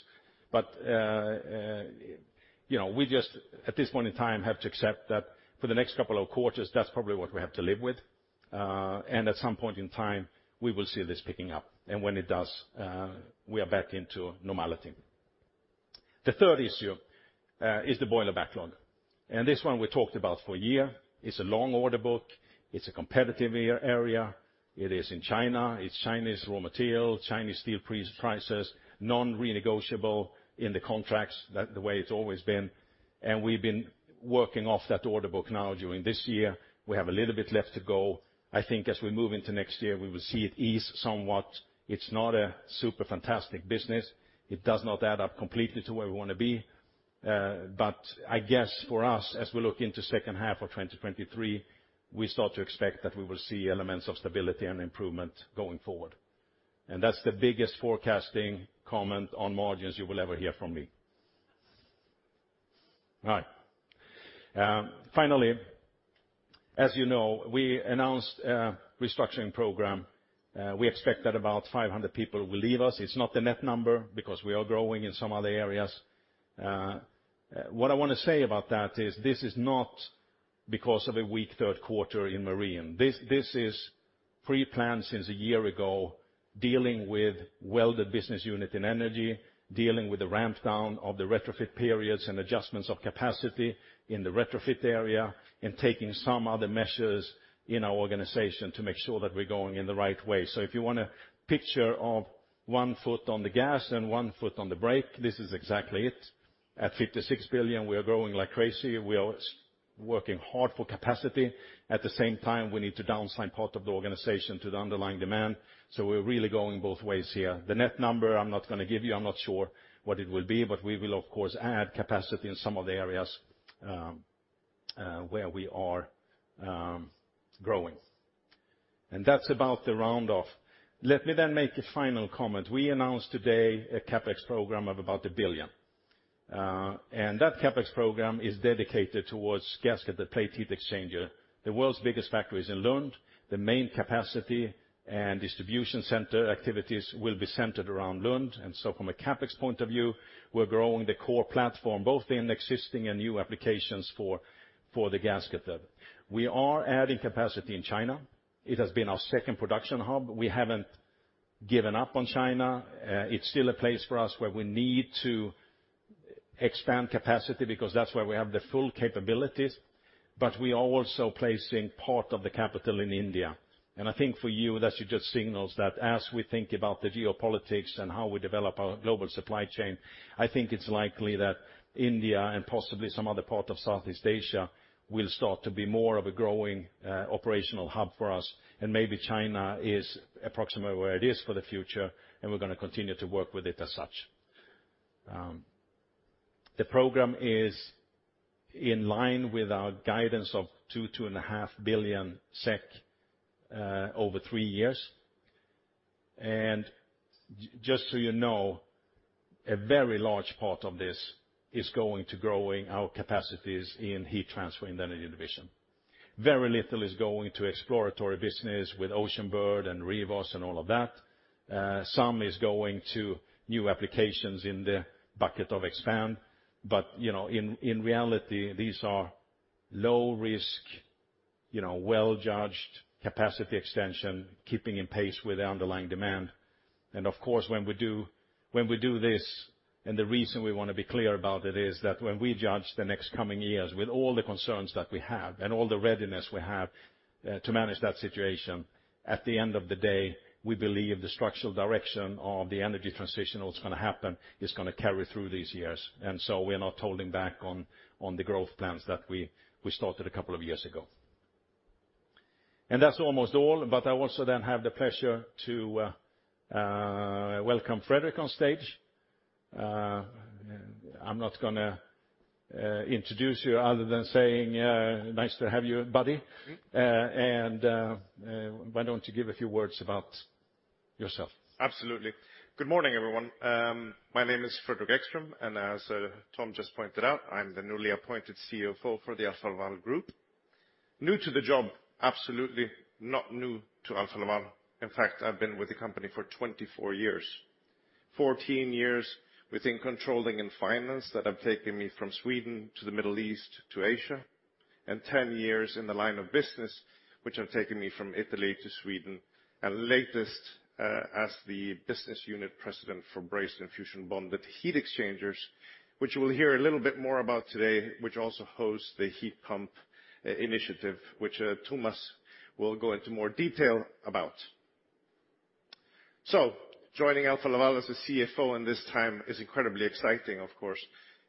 You know, we just, at this point in time, have to accept that for the next couple of quarters, that's probably what we have to live with. At some point in time, we will see this picking up. When it does, we are back into normality. The third issue is the boiler backlog. This one we talked about for a year. It's a long order book. It's a competitive area. It is in China. It's Chinese raw material, Chinese steel prices, non-renegotiable in the contracts, that the way it's always been. We've been working off that order book now during this year. We have a little bit left to go. I think as we move into next year, we will see it ease somewhat. It's not a super fantastic business. It does not add up completely to where we wanna be. I guess for us, as we look into second half of 2023, we start to expect that we will see elements of stability and improvement going forward. That's the biggest forecasting comment on margins you will ever hear from me. All right. Finally, as you know, we announced a restructuring program. We expect that about 500 people will leave us. It's not a net number because we are growing in some other areas. What I wanna say about that is this is not because of a weak Q3 in Marine. This is pre-planned since a year ago, dealing with Welded Business Unit in Energy, dealing with the ramp down of the retrofit periods and adjustments of capacity in the retrofit area, and taking some other measures in our organization to make sure that we're going in the right way. If you want a picture of one foot on the gas and one foot on the brake, this is exactly it. At 56 billion, we are growing like crazy. We are working hard for capacity. At the same time, we need to downsize part of the organization to the underlying demand, we're really going both ways here. The net number, I'm not gonna give you, I'm not sure what it will be, but we will of course add capacity in some of the areas where we are growing. That's about the round off. Let me make a final comment. We announced today a CapEx program of about 1 billion. That CapEx program is dedicated towards gasket, the plate heat exchanger. The world's biggest factory is in Lund. The main capacity and distribution center activities will be centered around Lund. From a CapEx point of view, we're growing the core platform, both in existing and new applications for the gasket hub. We are adding capacity in China. It has been our second production hub. We haven't given up on China. It's still a place for us where we need to expand capacity because that's where we have the full capabilities, but we are also placing part of the capital in India. I think for you, that should just signals that as we think about the geopolitics and how we develop our global supply chain, I think it's likely that India, and possibly some other part of Southeast Asia, will start to be more of a growing operational hub for us. Maybe China is approximately where it is for the future, and we're gonna continue to work with it as such. The program is in line with our guidance of 2 billion, two and a half billion SEK over three years. Just so you know, a very large part of this is going to growing our capacities in heat transfer in Energy Division. Very little is going to exploratory business with Oceanbird and Revos and all of that. Some is going to new applications in the bucket of expand. You know, in reality, these are low risk, you know, well-judged capacity extension, keeping in pace with the underlying demand. Of course, when we do, when we do this, and the reason we wanna be clear about it is that when we judge the next coming years with all the concerns that we have and all the readiness we have to manage that situation, at the end of the day, we believe the structural direction of the energy transition and what's gonna happen is gonna carry through these years. So we're not holding back on the growth plans that we started a couple of years ago. That's almost all. I also then have the pleasure to welcome Fredrik on stage. I'm not gonna introduce you other than saying, nice to have you, buddy. Mm-hmm. Why don't you give a few words about yourself? Absolutely. Good morning, everyone. My name is Fredrik Ekström, and as Tom just pointed out, I'm the newly appointed CFO for the Alfa Laval Group. New to the job, absolutely not new to Alfa Laval. In fact, I've been with the company for 24 years. 14 years within controlling and finance that have taken me from Sweden to the Middle East to Asia, and 10 years in the line of business, which have taken me from Italy to Sweden. Latest, as the business unit president for Brazed and Fusion Bonded Heat Exchangers, which we'll hear a little bit more about today, which also hosts the heat pump initiative, which Thomas will go into more detail about. Joining Alfa Laval as a CFO in this time is incredibly exciting, of course.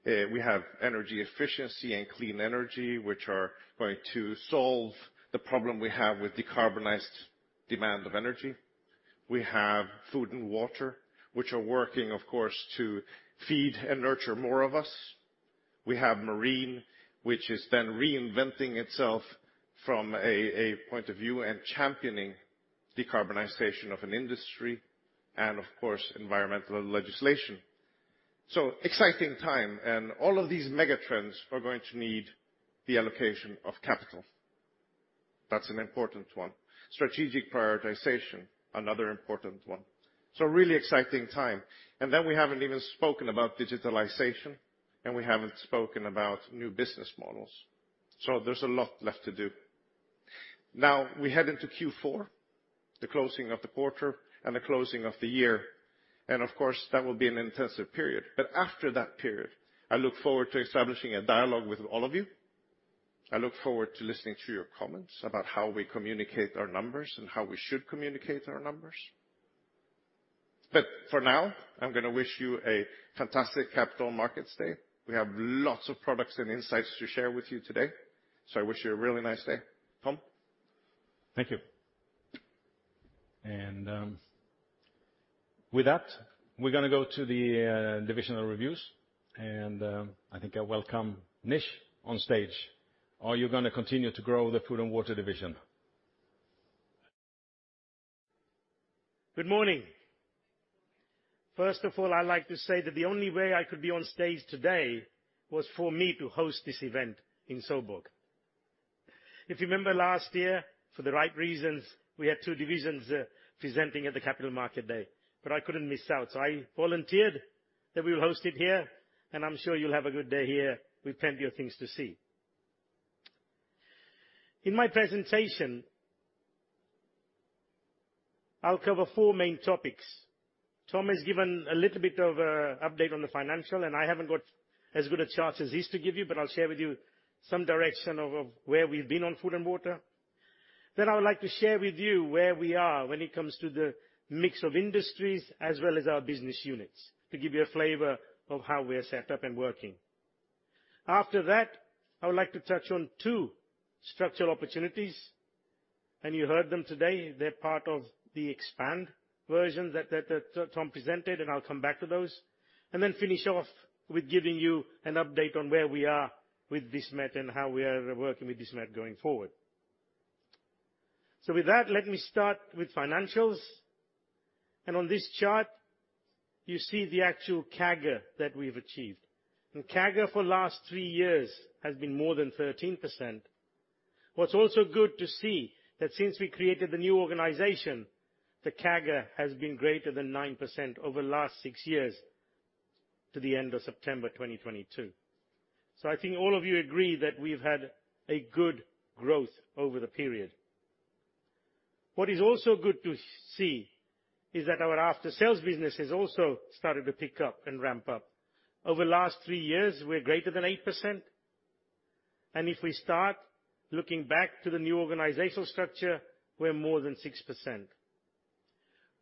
We have energy efficiency and clean energy, which are going to solve the problem we have with decarbonized demand of energy. We have Food & Water, which are working, of course, to feed and nurture more of us. We have Marine, which is then reinventing itself from a point of view and championing decarbonization of an industry and, of course, environmental legislation. Exciting time. All of these mega trends are going to need the allocation of capital. That's an important one. Strategic prioritization, another important one. Really exciting time. We haven't even spoken about digitalization, and we haven't spoken about new business models. There's a lot left to do. Now we head into Q4, the closing of the quarter and the closing of the year. Of course, that will be an intensive period. After that period, I look forward to establishing a dialogue with all of you. I look forward to listening to your comments about how we communicate our numbers and how we should communicate our numbers. For now, I'm gonna wish you a fantastic Capital Markets Day. We have lots of products and insights to share with you today. I wish you a really nice day. Tom? Thank you. With that, we're gonna go to the divisional reviews, and I think I welcome Nish on stage. Are you gonna continue to grow the Food & Water Division? Good morning. First of all, I like to say that the only way I could be on stage today was for me to host this event in Søborg. If you remember last year, for the right reasons, we had two divisions presenting at the Capital Market Day. I couldn't miss out. I volunteered that we would host it here. I'm sure you'll have a good day here with plenty of things to see. In my presentation, I'll cover four main topics. Tom has given a little bit of a update on the financial. I haven't got as good a chance as his to give you. I'll share with you some direction of where we've been on Food & Water. I would like to share with you where we are when it comes to the mix of industries as well as our business units, to give you a flavor of how we're set up and working. After that, I would like to touch on two structural opportunities, and you heard them today. They're part of the expand version that Tom presented, and I'll come back to those. Finish off with giving you an update on where we are with Desmet and how we are working with Desmet going forward. With that, let me start with financials. On this chart, you see the actual CAGR that we've achieved. CAGR for last three years has been more than 13%. What's also good to see that since we created the new organization, the CAGR has been greater than 9% over the last six years to the end of September 2022. I think all of you agree that we've had a good growth over the period. What is also good to see is that our after-sales business has also started to pick up and ramp up. Over the last three years, we're greater than 8%, and if we start looking back to the new organizational structure, we're more than 6%.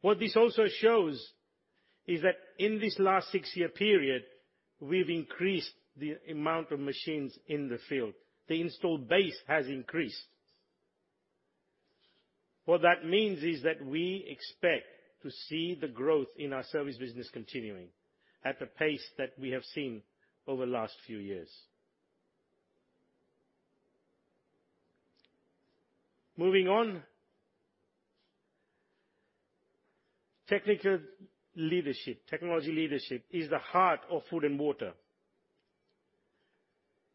What this also shows is that in this last six-year period, we've increased the amount of machines in the field. The installed base has increased. What that means is that we expect to see the growth in our service business continuing at the pace that we have seen over the last few years. Moving on. Technical leadership, technology leadership is the heart of Food & Water.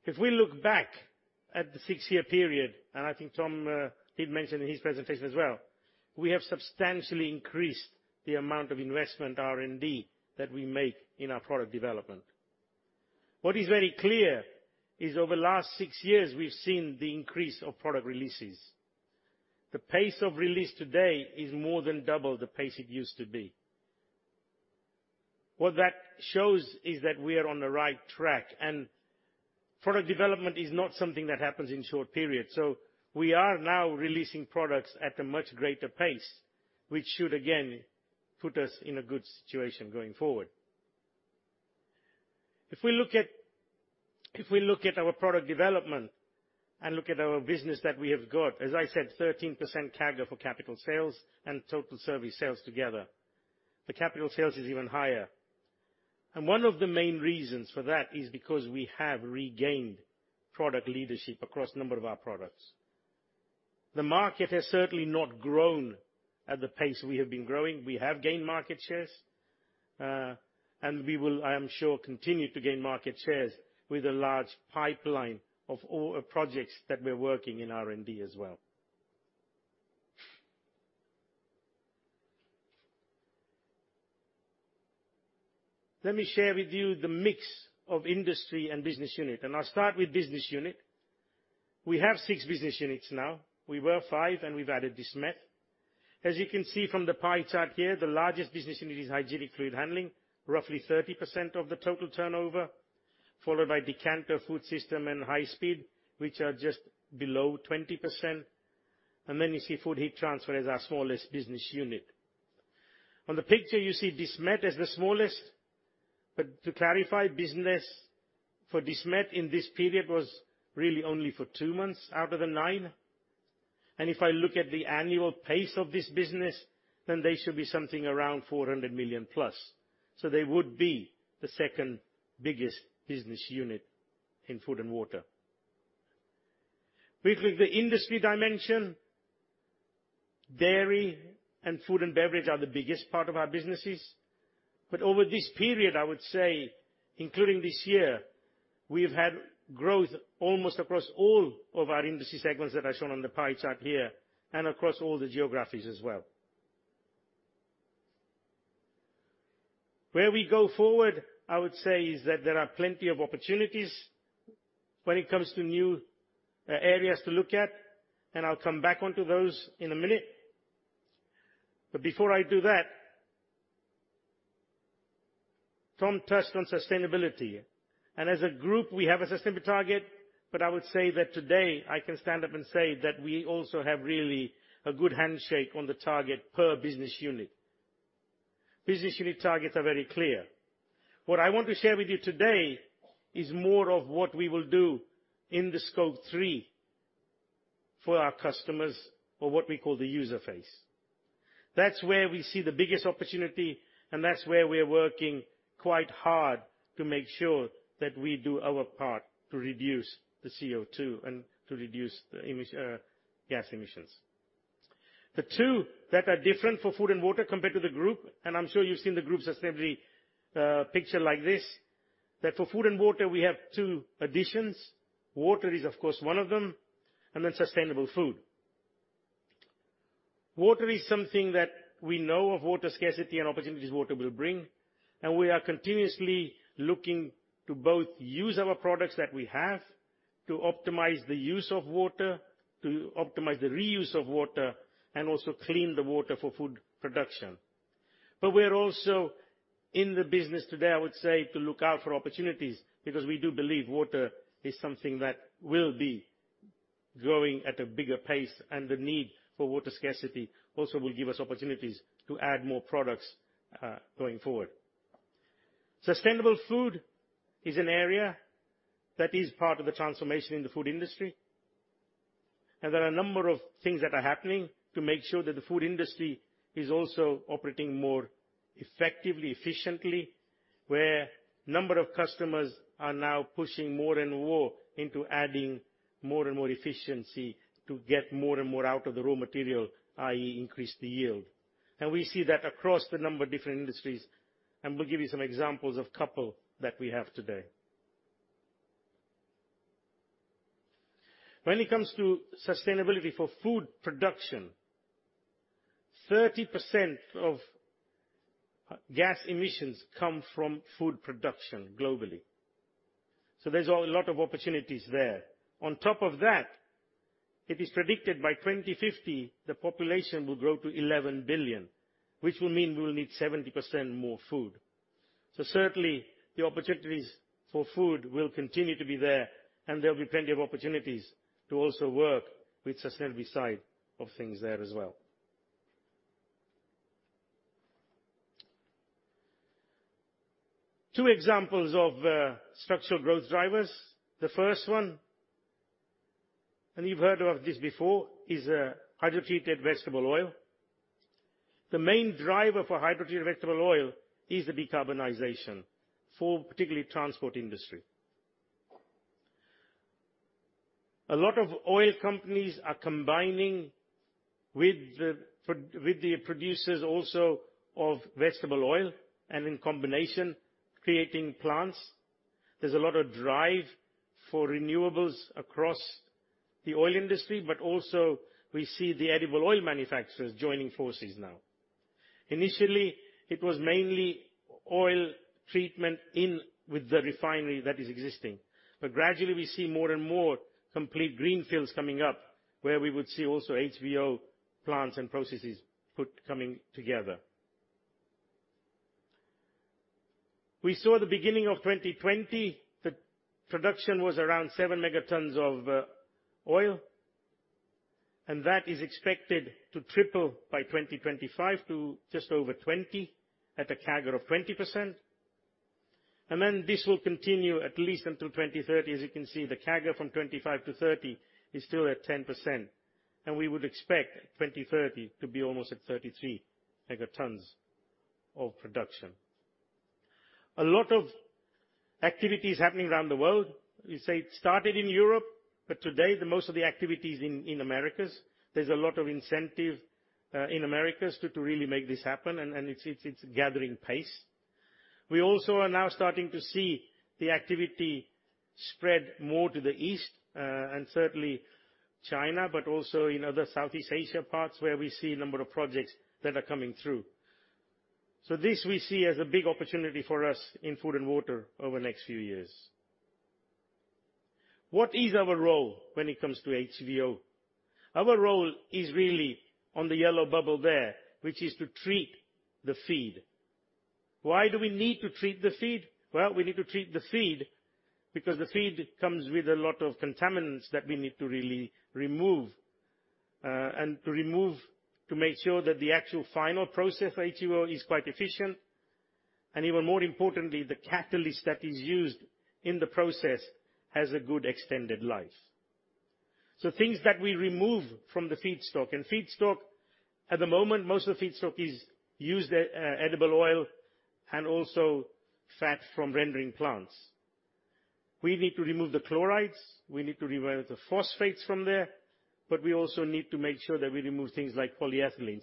If we look back at the six-year period, and I think Tom did mention in his presentation as well, we have substantially increased the amount of investment R&D that we make in our product development. What is very clear is over the last six years, we've seen the increase of product releases. The pace of release today is more than double the pace it used to be. What that shows is that we are on the right track, and product development is not something that happens in short periods. We are now releasing products at a much greater pace, which should again put us in a good situation going forward. If we look at our product development and look at our business that we have got, as I said, 13% CAGR for capital sales and total service sales together. The capital sales is even higher. One of the main reasons for that is because we have regained product leadership across a number of our products. The market has certainly not grown at the pace we have been growing. We have gained market shares, and we will, I am sure, continue to gain market shares with a large pipeline of all projects that we're working in R&D as well. Let me share with you the mix of industry and business unit, and I'll start with business unit. We have six business units now. We were five, and we've added Desmet. As you can see from the pie chart here, the largest business unit is hygienic fluid handling, roughly 30% of the total turnover, followed by decanter food system and high speed, which are just below 20%. You see food heat transfer as our smallest business unit. On the picture, you see Desmet as the smallest. To clarify, business for Desmet in this period was really only for two months out of the nine. If I look at the annual pace of this business, they should be something around 400 million+. They would be the second biggest business unit in Food & Water. Briefly, the industry dimension, dairy and food and beverage are the biggest part of our businesses. Over this period, I would say, including this year, we've had growth almost across all of our industry segments that are shown on the pie chart here and across all the geographies as well. Where we go forward, I would say, is that there are plenty of opportunities when it comes to new areas to look at, and I'll come back onto those in a minute. Before I do that, Tom touched on sustainability. As a group, we have a sustainability target, but I would say that today I can stand up and say that we also have really a good handshake on the target per business unit. Business unit targets are very clear. What I want to share with you today is more of what we will do in the Scope 3 for our customers or what we call the user face. That's where we see the biggest opportunity, and that's where we're working quite hard to make sure that we do our part to reduce the CO2 and to reduce the gas emissions. The two that are different for Food & Water compared to the Group, and I'm sure you've seen the Group's sustainability picture like this. For Food & Water, we have two additions. Water is, of course, one of them, and then sustainable food. Water is something that we know of water scarcity and opportunities water will bring, and we are continuously looking to both use our products that we have to optimize the use of water, to optimize the reuse of water, and also clean the water for food production. We're also in the business today, I would say, to look out for opportunities because we do believe water is something that will be growing at a bigger pace, and the need for water scarcity also will give us opportunities to add more products going forward. Sustainable food is an area that is part of the transformation in the food industry, and there are a number of things that are happening to make sure that the food industry is also operating more effectively, efficiently. Where number of customers are now pushing more and more into adding more and more efficiency to get more and more out of the raw material, i.e. increase the yield. We see that across the number of different industries, and we'll give you some examples of couple that we have today. When it comes to sustainability for food production, 30% of gas emissions come from food production globally. There's a lot of opportunities there. On top of that, it is predicted by 2050, the population will grow to 11 billion, which will mean we'll need 70% more food. Certainly, the opportunities for food will continue to be there, and there'll be plenty of opportunities to also work with sustainability side of things there as well. Two examples of structural growth drivers. The first one, and you've heard of this before, is a hydrotreated vegetable oil. The main driver for hydrotreated vegetable oil is the decarbonization for particularly transport industry. A lot of oil companies are combining with the producers also of vegetable oil and in combination, creating plants. There's a lot of drive for renewables across the oil industry, but also we see the edible oil manufacturers joining forces now. Initially, it was mainly oil treatment in with the refinery that is existing. Gradually, we see more and more complete greenfields coming up where we would see also HVO plants and processes put coming together. We saw the beginning of 2020, the production was around seven megatons of oil, and that is expected to triple by 2025 to just over 20 at a CAGR of 20%. This will continue at least until 2030. You can see, the CAGR from 25-30 is still at 10%, and we would expect 2030 to be almost at 33 megatons of production. A lot of activities happening around the world. We say it started in Europe, but today the most of the activity is in Americas. There's a lot of incentive in Americas to really make this happen and it's gathering pace. We also are now starting to see the activity spread more to the east, and certainly China, but also in other Southeast Asia parts where we see a number of projects that are coming through. This we see as a big opportunity for us in Food & Water over the next few years. What is our role when it comes to HVO? Our role is really on the yellow bubble there, which is to treat the feed. Why do we need to treat the feed? Well, we need to treat the feed because the feed comes with a lot of contaminants that we need to really remove. To remove to make sure that the actual final process for HVO is quite efficient. Even more importantly, the catalyst that is used in the process has a good extended life. Things that we remove from the feedstock. Feedstock at the moment, most of the feedstock is used, edible oil and also fat from rendering plants. We need to remove the chlorides. We need to remove the phosphates from there. We also need to make sure that we remove things like polyethylene.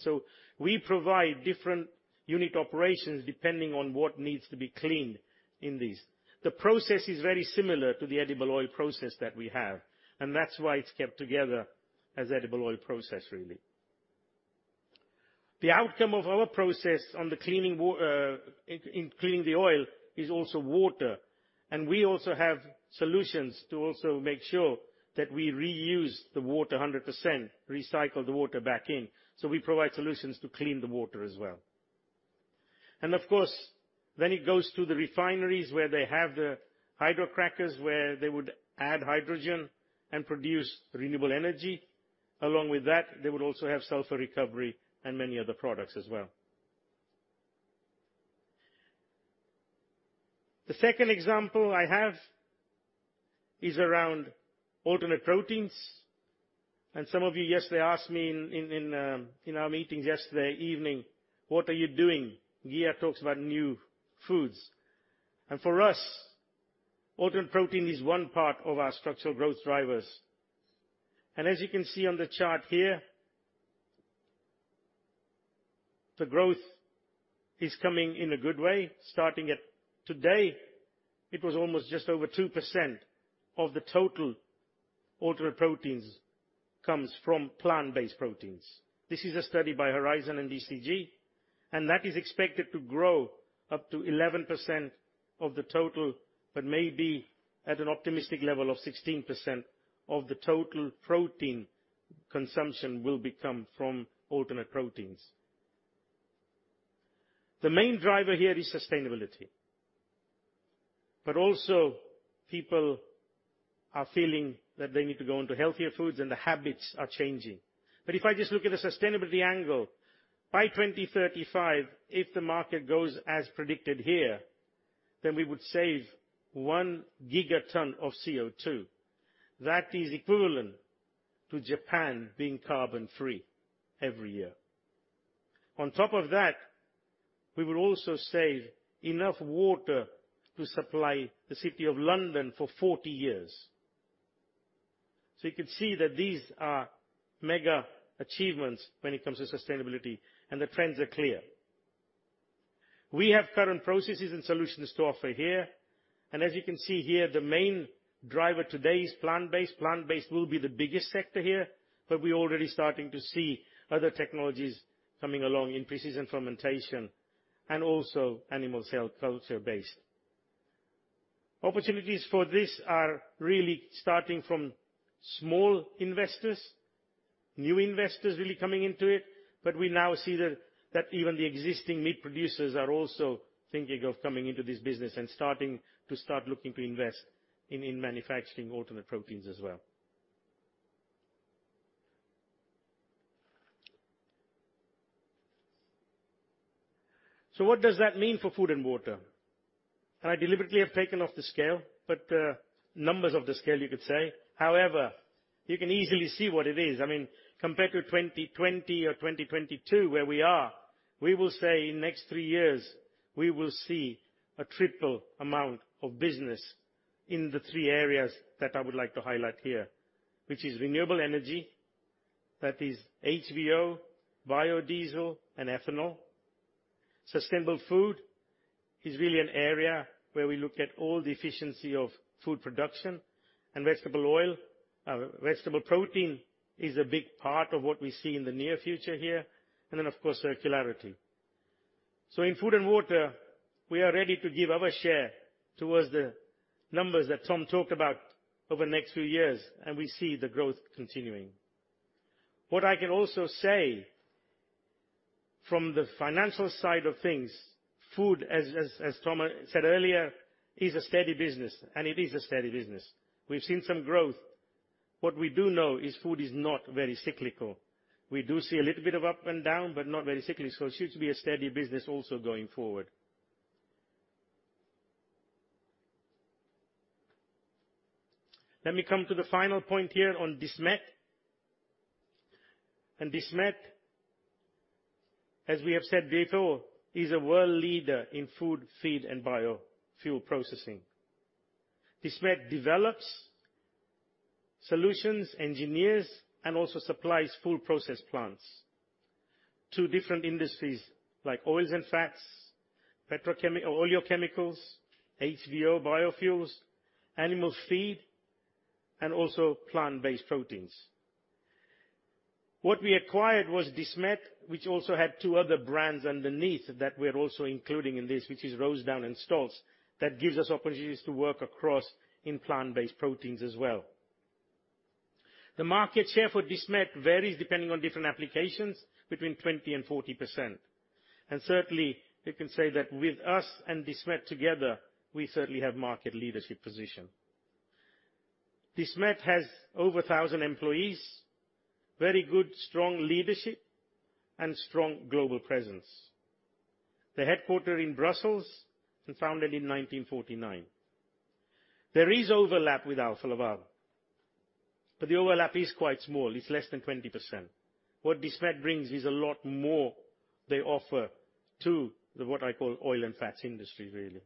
We provide different unit operations depending on what needs to be cleaned in these. The process is very similar to the edible oil process that we have, and that's why it's kept together as edible oil process really. The outcome of our process on the cleaning, in cleaning the oil is also water. We also have solutions to also make sure that we reuse the water 100%, recycle the water back in. We provide solutions to clean the water as well. Of course, then it goes to the refineries, where they have the hydrocrackers, where they would add hydrogen and produce renewable energy. Along with that, they would also have sulfur recovery and many other products as well. The second example I have is around alternative proteins. Some of you yesterday asked me in our meeting yesterday evening, "What are you doing? Geir talks about new foods." For us, alternate protein is one part of our structural growth drivers. As you can see on the chart here, the growth is coming in a good way, starting at today. It was almost just over 2% of the total alternative proteins comes from plant-based proteins. This is a study by Horizon and DCG, and that is expected to grow up to 11% of the total, but may be at an optimistic level of 16% of the total protein consumption will be come from alternative proteins. The main driver here is sustainability. Also people are feeling that they need to go into healthier foods, and the habits are changing. If I just look at the sustainability angle, by 2035, if the market goes as predicted here, then we would save one gigaton of CO2. That is equivalent to Japan being carbon-free every year. On top of that, we would also save enough water to supply the City of London for 40 years. You could see that these are mega achievements when it comes to sustainability, and the trends are clear. We have current processes and solutions to offer here. As you can see here, the main driver today is plant-based. Plant-based will be the biggest sector here, but we're already starting to see other technologies coming along in precision fermentation and also animal cell culture-based. Opportunities for this are really starting from small investors, new investors really coming into it. We now see that even the existing meat producers are also thinking of coming into this business and starting to look to invest in manufacturing alternative proteins as well. What does that mean for Food & Water? I deliberately have taken off the scale, but numbers of the scale, you could say. However, you can easily see what it is. I mean, compared to 2020 or 2022, where we are, we will say in next three years, we will see a triple amount of business in the three areas that I would like to highlight here, which is renewable energy, that is HVO, biodiesel, and ethanol. Sustainable food is really an area where we look at all the efficiency of food production. Vegetable oil, vegetable protein is a big part of what we see in the near future here. Then, of course, circularity. In Food & Water, we are ready to give our share towards the numbers that Tom talked about over the next few years, and we see the growth continuing. What I can also say from the financial side of things, food as Tom said earlier, is a steady business, and it is a steady business. We've seen some growth. What we do know is food is not very cyclical. We do see a little bit of up and down, but not very cyclical. It seems to be a steady business also going forward. Let me come to the final point here on Desmet. Desmet, as we have said before, is a world leader in food, feed, and biofuel processing. Desmet develops solutions, engineers, and also supplies full process plants to different industries like oils and fats, oleochemicals, HVO biofuels, animal feed, and also plant-based proteins. What we acquired was Desmet, which also had two other brands underneath that we're also including in this, which is Rosedowns and Stolz, that gives us opportunities to work across in plant-based proteins as well. The market share for Desmet varies depending on different applications between 20% and 40%. Certainly, you can say that with us and Desmet together, we certainly have market leadership position. Desmet has over 1,000 employees, very good strong leadership, and strong global presence. They're headquartered in Brussels and founded in 1949. There is overlap with Alfa Laval, but the overlap is quite small. It's less than 20%. What Desmet brings is a lot more they offer to the, what I call oil and fats industry, really.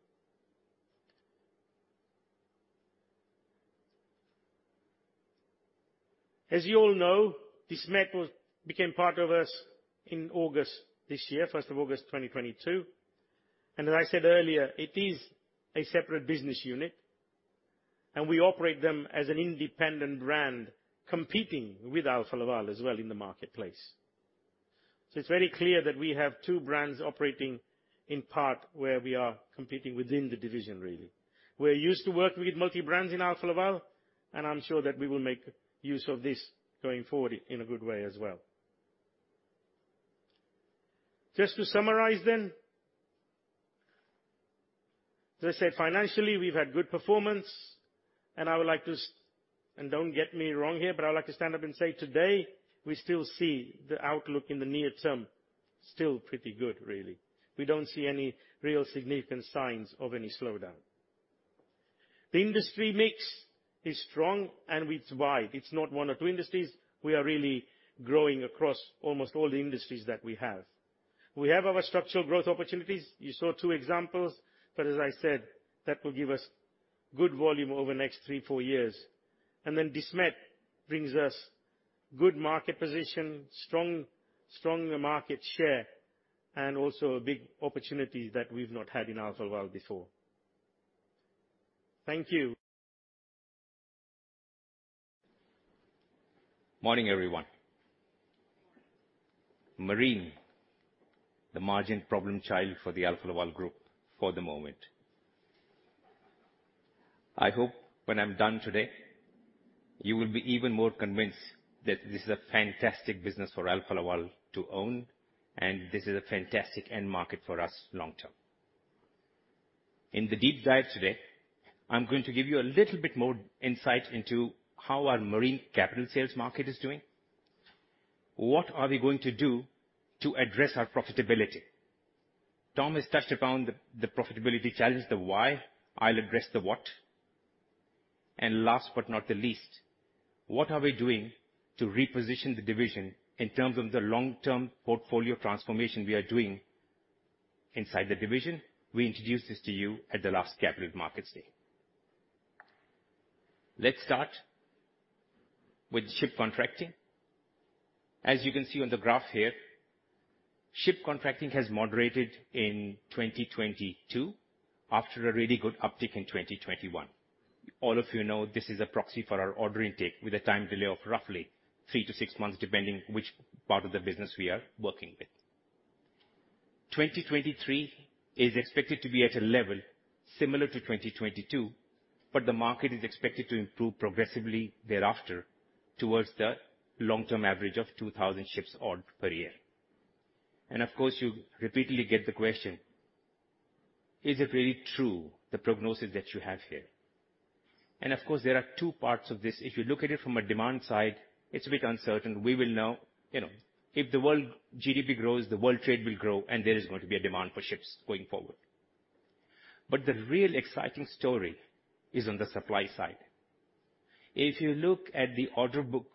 As you all know, Desmet was, became part of us in August this year, 1st August, 2022. As I said earlier, it is a separate business unit. We operate them as an independent brand, competing with Alfa Laval as well in the marketplace. It's very clear that we have two brands operating in part where we are competing within the division, really. We're used to working with multi brands in Alfa Laval, and I'm sure that we will make use of this going forward in a good way as well. Just to summarize then. As I said, financially, we've had good performance, and I would like to, and don't get me wrong here, but I would like to stand up and say today, we still see the outlook in the near term still pretty good, really. We don't see any real significant signs of any slowdown. The industry mix is strong and it's wide. It's not one or two industries. We are really growing across almost all the industries that we have. We have our structural growth opportunities. You saw two examples, but as I said, that will give us good volume over the next three, four years. Desmet brings us good market position, strong market share, and also a big opportunity that we've not had in Alfa Laval before. Thank you. Morning, everyone. Morning. Marine, the margin problem child for the Alfa Laval Group for the moment. I hope when I'm done today, you will be even more convinced that this is a fantastic business for Alfa Laval to own, and this is a fantastic end market for us long term. In the deep dive today, I'm going to give you a little bit more insight into how our Marine Capital sales market is doing. What are we going to do to address our profitability? Tom has touched upon the profitability challenge, the why. I'll address the what. Last but not the least, what are we doing to reposition the division in terms of the long-term portfolio transformation we are doing inside the division? We introduced this to you at the last Capital Markets Day. Let's start with ship contracting. As you can see on the graph here, ship contracting has moderated in 2022 after a really good uptick in 2021. All of you know this is a proxy for our order intake with a time delay of roughly three-six months, depending which part of the business we are working with. 2023 is expected to be at a level similar to 2022. The market is expected to improve progressively thereafter towards the long-term average of 2,000 ships odd per year. Of course, you repeatedly get the question, is it really true, the prognosis that you have here? Of course, there are two parts of this. If you look at it from a demand side, it's a bit uncertain. We will know, you know, if the world GDP grows, the world trade will grow, and there is going to be a demand for ships going forward. The real exciting story is on the supply side. If you look at the order book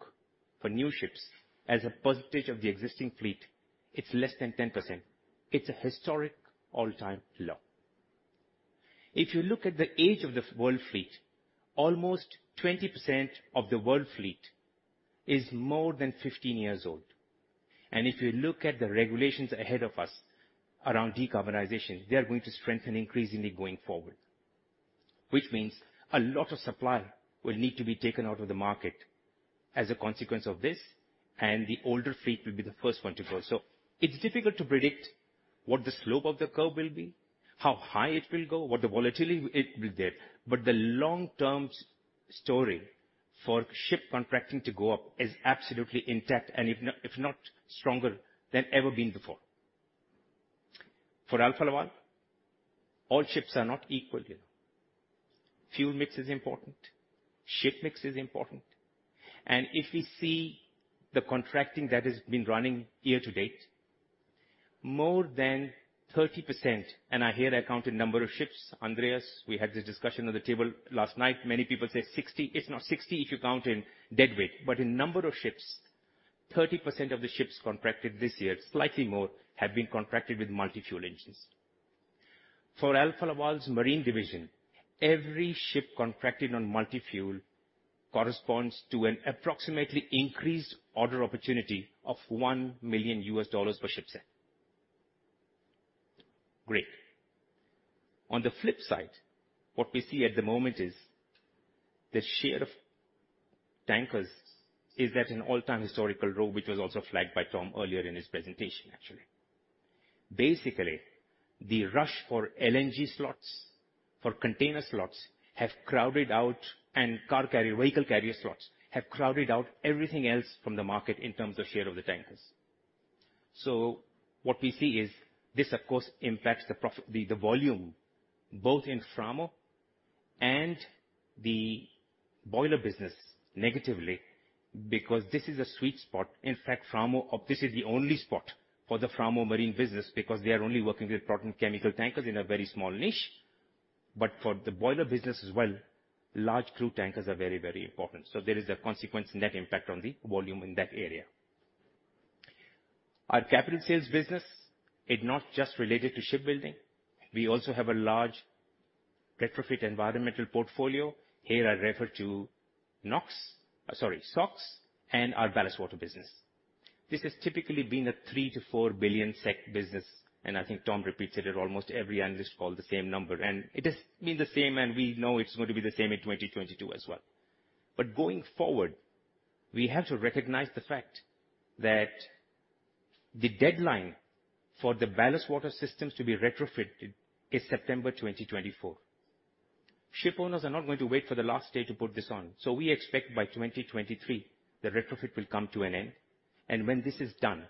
for new ships as a percentage of the existing fleet, it's less than 10%. It's a historic all-time low. If you look at the age of the world fleet, almost 20% of the world fleet is more than 15 years old. If you look at the regulations ahead of us around decarbonization, they are going to strengthen increasingly going forward, which means a lot of supply will need to be taken out of the market as a consequence of this, and the older fleet will be the first one to go. It's difficult to predict what the slope of the curve will be, how high it will go, what the volatility it will be there. But the long-term story for ship contracting to go up is absolutely intact and if not stronger than ever been before. For Alfa Laval, all ships are not equal here. Fuel mix is important, ship mix is important. And if we see the contracting that has been running year-to-date, more than 30%, and I hear that count in number of ships. Andreas, we had this discussion on the table last night. Many people say 60. It's not 60 if you count in deadweight. But in number of ships, 30% of the ships contracted this year, slightly more, have been contracted with multi-fuel engines. For Alfa Laval's Marine Division, every ship contracted on multi-fuel corresponds to an approximately increased order opportunity of $1 million per ship set. Great. On the flip side, what we see at the moment is the share of tankers is at an all-time historical low, which was also flagged by Tom earlier in his presentation, actually. Basically, the rush for LNG slots, for container slots have crowded out, and car carrier, vehicle carrier slots have crowded out everything else from the market in terms of share of the tankers. What we see is this, of course, impacts the volume both in Framo and the boiler business negatively because this is a sweet spot. In fact, Framo, this is the only spot for the Framo Marine business because they are only working with product chemical tankers in a very small niche. For the boiler business as well, large crude tankers are very, very important. There is a consequence net impact on the volume in that area. Our capital sales business is not just related to shipbuilding. We also have a large retrofit environmental portfolio. Here I refer to NOx. Sorry, SOx and our ballast water business. This has typically been a 3 billion-4 billion SEK business, and I think Tom repeats it at almost every analyst call, the same number. It has been the same, and we know it's going to be the same in 2022 as well. Going forward, we have to recognize the fact that the deadline for the ballast water systems to be retrofitted is September 2024. Shipowners are not going to wait for the last day to put this on. We expect by 2023, the retrofit will come to an end. When this is done,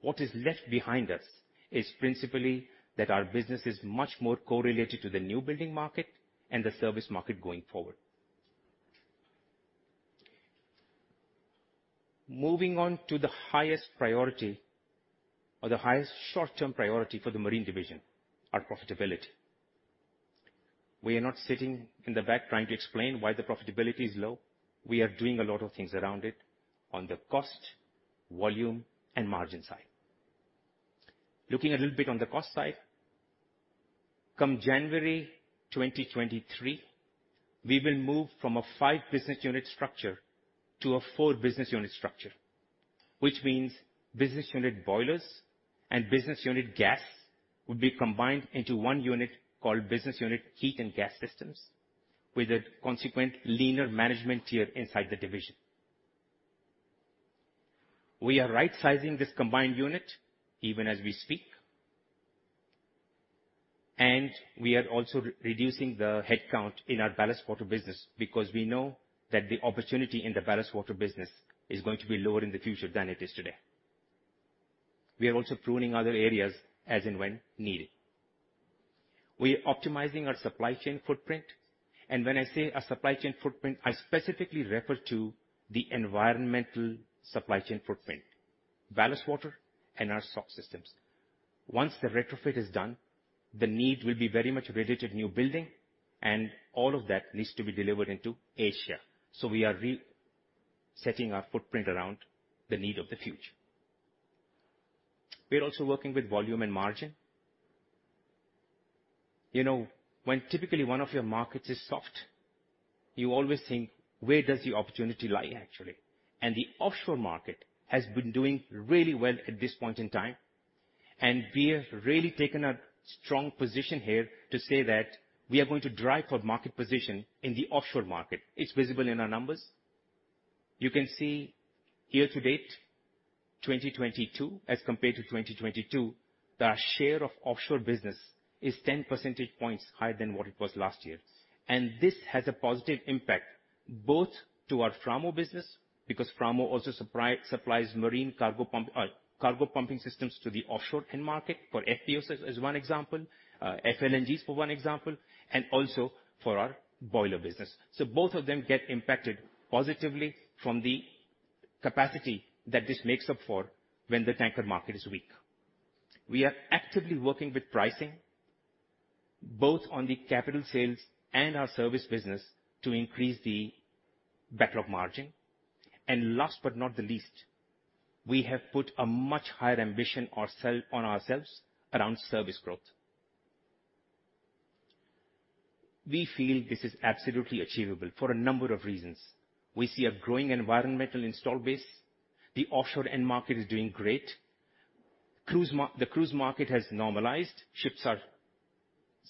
what is left behind us is principally that our business is much more correlated to the new building market and the service market going forward. Moving on to the highest priority or the highest short-term priority for the Marine Division, our profitability. We are not sitting in the back trying to explain why the profitability is low. We are doing a lot of things around it on the cost, volume, and margin side. Looking a little bit on the cost side. Come January 2023, we will move from a five business unit structure to a four business unit structure, which means business unit boilers and business unit gas will be combined into one unit called Business Unit Heat and Gas Systems, with a consequent leaner management tier inside the division. We are rightsizing this combined unit even as we speak. We are also re-reducing the headcount in our ballast water business because we know that the opportunity in the ballast water business is going to be lower in the future than it is today. We are also pruning other areas as and when needed. We are optimizing our supply chain footprint. When I say our supply chain footprint, I specifically refer to the environmental supply chain footprint, ballast water and our SOx systems. Once the retrofit is done, the need will be very much related to new building, and all of that needs to be delivered into Asia. We are re-setting our footprint around the need of the future. We are also working with volume and margin. You know, when typically one of your markets is soft, you always think, where does the opportunity lie, actually? The offshore market has been doing really well at this point in time, and we have really taken a strong position here to say that we are going to drive our market position in the offshore market. It's visible in our numbers. You can see year-to-date, 2022 as compared to 2022, the share of offshore business is 10 percentage points higher than what it was last year. This has a positive impact, both to our Framo business, because Framo also supplies marine cargo pump, cargo pumping systems to the offshore end market for FPSOs is one example, FLNGs for one example, and also for our boiler business. Both of them get impacted positively from the capacity that this makes up for when the tanker market is weak. We are actively working with pricing, both on the capital sales and our service business to increase the backlog margin. Last but not the least, we have put a much higher ambition on ourselves around service growth. We feel this is absolutely achievable for a number of reasons. We see a growing environmental install base. The offshore end market is doing great. The cruise market has normalized. Ships are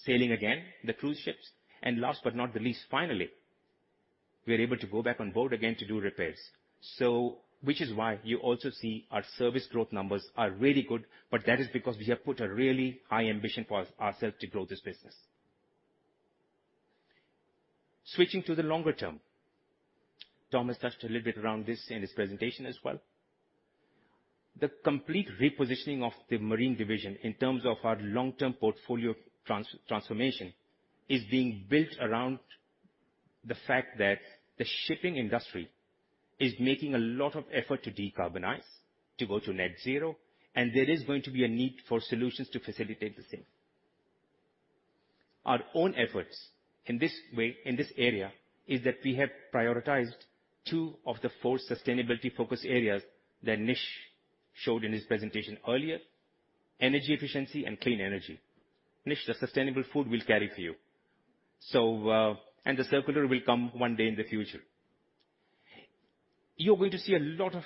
sailing again, the cruise ships. Last but not the least, finally, we are able to go back on board again to do repairs. Which is why you also see our service growth numbers are really good, but that is because we have put a really high ambition for ourself to grow this business. Switching to the longer term. Tom has touched a little bit around this in his presentation as well. The complete repositioning of the Marine Division in terms of our long-term portfolio trans-transformation is being built around the fact that the shipping industry is making a lot of effort to decarbonize, to go to net zero, and there is going to be a need for solutions to facilitate the same. Our own efforts in this way, in this area, is that we have prioritized two of the four sustainability focus areas that Nish showed in his presentation earlier, energy efficiency and clean energy. Nish, the sustainable food we'll carry for you. The circular will come one day in the future. You're going to see a lot of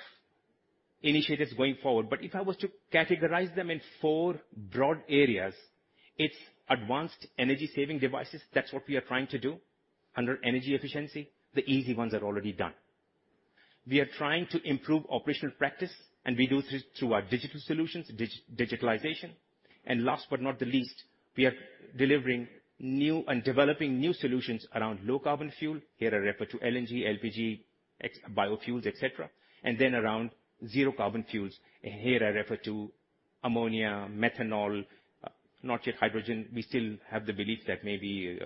initiatives going forward, but if I was to categorize them in four broad areas, it's advanced energy saving devices. That's what we are trying to do under energy efficiency. The easy ones are already done. We are trying to improve operational practice, and we do through our digital solutions, digitalization. Last but not the least, we are delivering new and developing new solutions around low carbon fuel. Here I refer to LNG, LPG, biofuels, et cetera. Then around zero carbon fuels. Here I refer to ammonia, methanol, not yet hydrogen. We still have the belief that maybe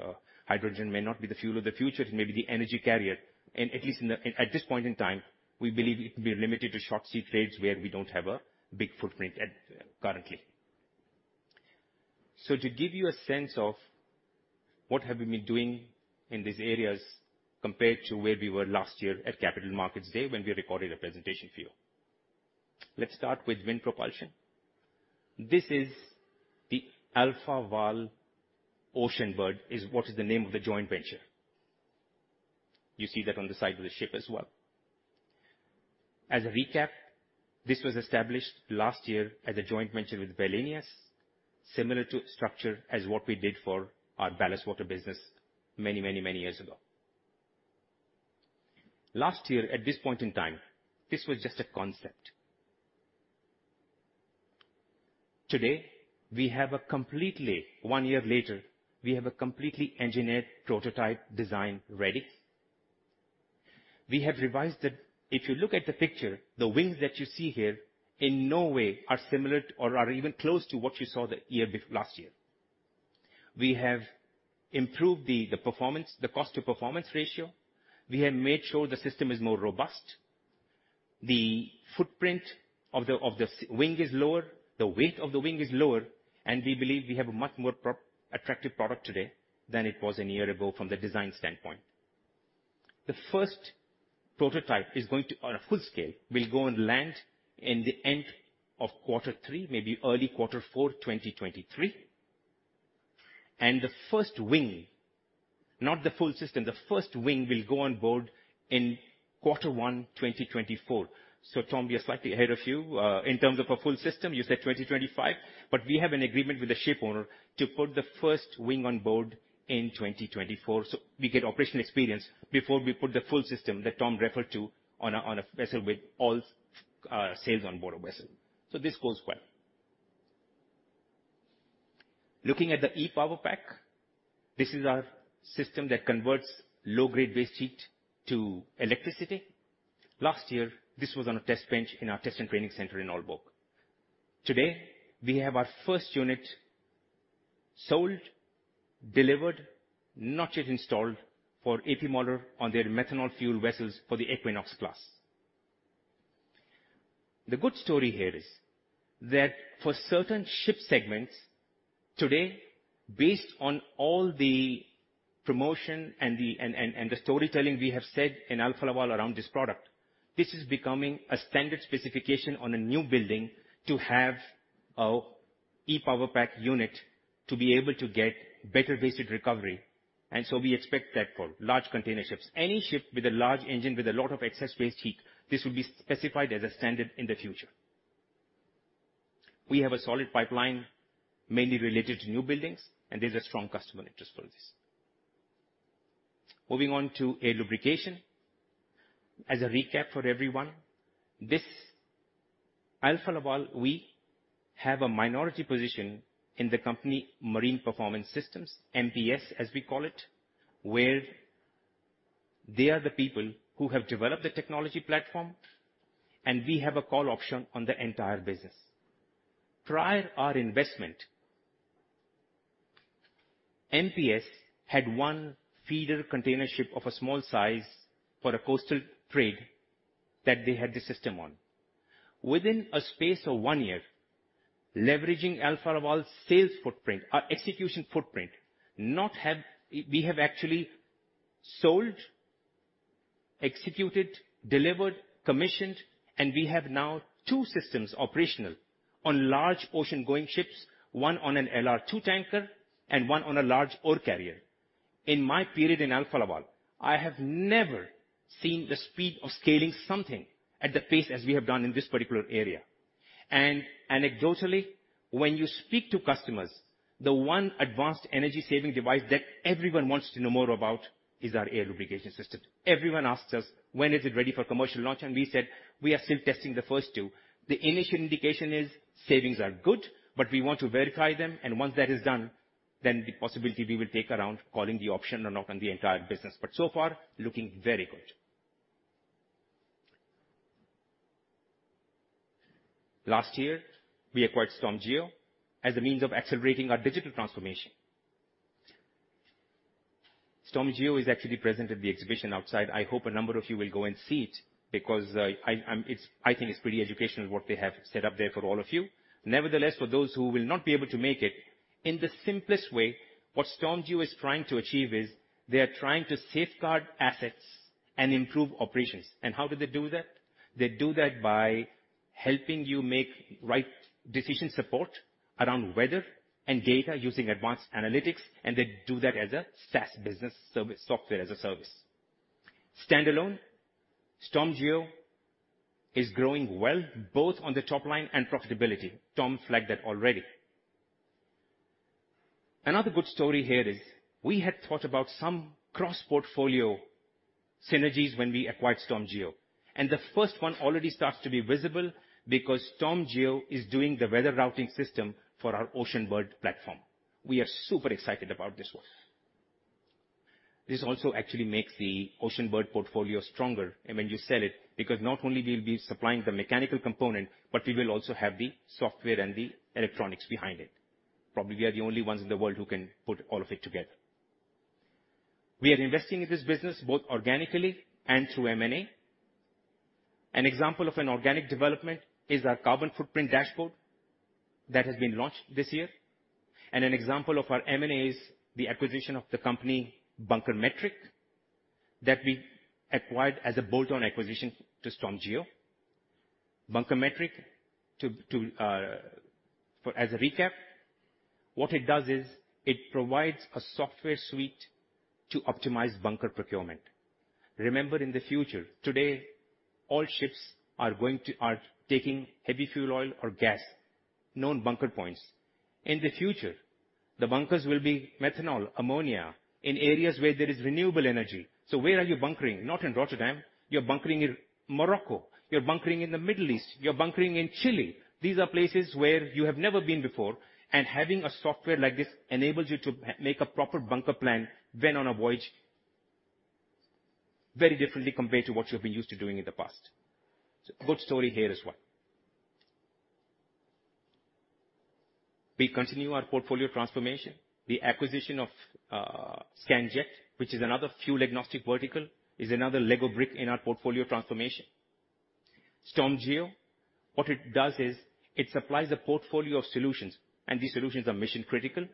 hydrogen may not be the fuel of the future, it may be the energy carrier. At this point in time, we believe it could be limited to short sea trades where we don't have a big footprint at currently. To give you a sense of what have we been doing in these areas compared to where we were last year at Capital Markets Day when we recorded a presentation for you. Let's start with wind propulsion. This is the Alfa Laval Oceanbird is what is the name of the joint venture. You see that on the side of the ship as well. As a recap, this was established last year as a joint venture with Wallenius, similar to structure as what we did for our ballast water business many years ago. Last year, at this point in time, this was just a concept. Today, one year later, we have a completely engineered prototype design ready. We have revised it. If you look at the picture, the wings that you see here in no way are similar to or are even close to what you saw last year. We have improved the performance, the cost to performance ratio. We have made sure the system is more robust. The footprint of the wing is lower, the weight of the wing is lower, and we believe we have a much more attractive product today than it was a year ago from the design standpoint. The first prototype On a full scale, will go and land in the end of quarter three, maybe early quarter four, 2023. The first wing, not the full system, the first wing will go on board in quarter one, 2024. Tom, we are slightly ahead of you in terms of a full system. You said 2025, but we have an agreement with the ship owner to put the first wing on board in 2024. We get operational experience before we put the full system that Tom referred to on a, on a vessel with all sails on board a vessel. This goes well. Looking at the E-PowerPack, this is our system that converts low-grade waste heat to electricity. Last year, this was on a test bench in our test and training center in Aalborg. Today, we have our first unit sold, delivered, not yet installed, for A.P. Møller on their methanol fuel vessels for the Equinox class. The good story here is that for certain ship segments today, based on all the promotion and the storytelling we have said in Alfa Laval around this product, this is becoming a standard specification on a new building to have an E-PowerPack unit to be able to get better waste heat recovery. We expect that for large container ships. Any ship with a large engine with a lot of excess waste heat, this will be specified as a standard in the future. We have a solid pipeline mainly related to new buildings, and there's a strong customer interest for this. Moving on to air lubrication. As a recap for everyone, this Alfa Laval, we have a minority position in the company Marine Performance Systems, MPS as we call it, where they are the people who have developed the technology platform, and we have a call option on the entire business. Prior our investment, MPS had one feeder container ship of a small size for a coastal trade that they had the system on. Within a space of one year, leveraging Alfa Laval's sales footprint, our execution footprint. We have actually sold, executed, delivered, commissioned, and we have now two systems operational on large ocean-going ships, one on an LR2 tanker and one on a large ore carrier. In my period in Alfa Laval, I have never seen the speed of scaling something at the pace as we have done in this particular area. Anecdotally, when you speak to customers, the one advanced energy saving device that everyone wants to know more about is our air lubrication system. Everyone asks us, "When is it ready for commercial launch?" We said, "We are still testing the first two." The initial indication is savings are good, but we want to verify them, and once that is done, then the possibility we will take around calling the option or not on the entire business. So far, looking very good. Last year, we acquired StormGeo as a means of accelerating our digital transformation. StormGeo is actually present at the exhibition outside. I hope a number of you will go and see it because I think it's pretty educational what they have set up there for all of you. Nevertheless, for those who will not be able to make it, in the simplest way, what StormGeo is trying to achieve is they are trying to safeguard assets and improve operations. How do they do that? They do that by helping you make right decision support around weather and data using advanced analytics, and they do that as a SaaS business service, software as a service. Standalone, StormGeo is growing well, both on the top line and profitability. Tom flagged that already. Another good story here is we had thought about some cross-portfolio synergies when we acquired StormGeo. The first one already starts to be visible because StormGeo is doing the weather routing system for our Oceanbird platform. We are super excited about this one. This also actually makes the Oceanbird portfolio stronger. When you sell it, because not only we'll be supplying the mechanical component, but we will also have the software and the electronics behind it. Probably we are the only ones in the world who can put all of it together. We are investing in this business both organically and through M&A. An example of an organic development is our carbon footprint dashboard that has been launched this year. An example of our M&A is the acquisition of the company BunkerMetric that we acquired as a bolt-on acquisition to StormGeo BunkerMetric for as a recap, what it does is it provides a software suite to optimize bunker procurement. Remember in the future, today, all ships are taking heavy fuel oil or gas, known bunker points. In the future, the bunkers will be methanol, ammonia in areas where there is renewable energy. Where are you bunkering? Not in Rotterdam. You're bunkering in Morocco. You're bunkering in the Middle East. You're bunkering in Chile. These are places where you have never been before, and having a software like this enables you to make a proper bunker plan when on a voyage very differently compared to what you have been used to doing in the past. Good story here as well. We continue our portfolio transformation. The acquisition of Scanjet, which is another fuel-agnostic vertical, is another Lego brick in our portfolio transformation. StormGeo, what it does is it supplies a portfolio of solutions, and these solutions are mission-critical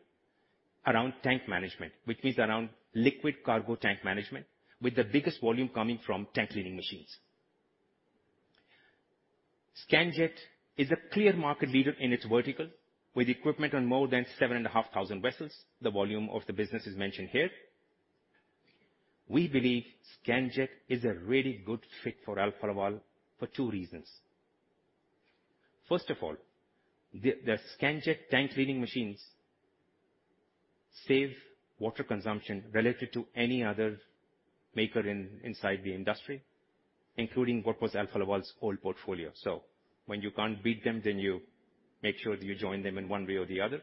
around tank management, which means around liquid cargo tank management, with the biggest volume coming from tank cleaning machines. Scanjet is a clear market leader in its vertical, with equipment on more than 7,500 vessels. The volume of the business is mentioned here. We believe Scanjet is a really good fit for Alfa Laval for two reasons. First of all, the Scanjet tank cleaning machines save water consumption relative to any other maker inside the industry, including what was Alfa Laval's old portfolio. When you can't beat them, then you make sure that you join them in one way or the other.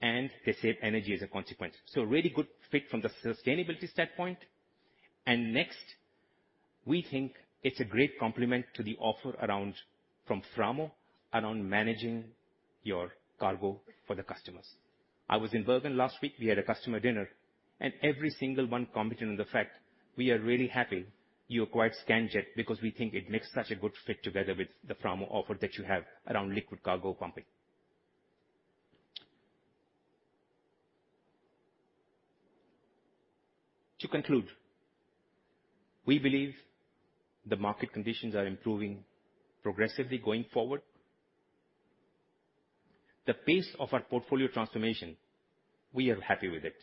They save energy as a consequence. A really good fit from the sustainability standpoint. Next, we think it's a great complement to the offer around from Framo around managing your cargo for the customers. I was in Bergen last week. We had a customer dinner, and every single one commented on the fact we are really happy you acquired Scanjet because we think it makes such a good fit together with the Framo offer that you have around liquid cargo pumping. To conclude, we believe the market conditions are improving progressively going forward. The pace of our portfolio transformation, we are happy with it.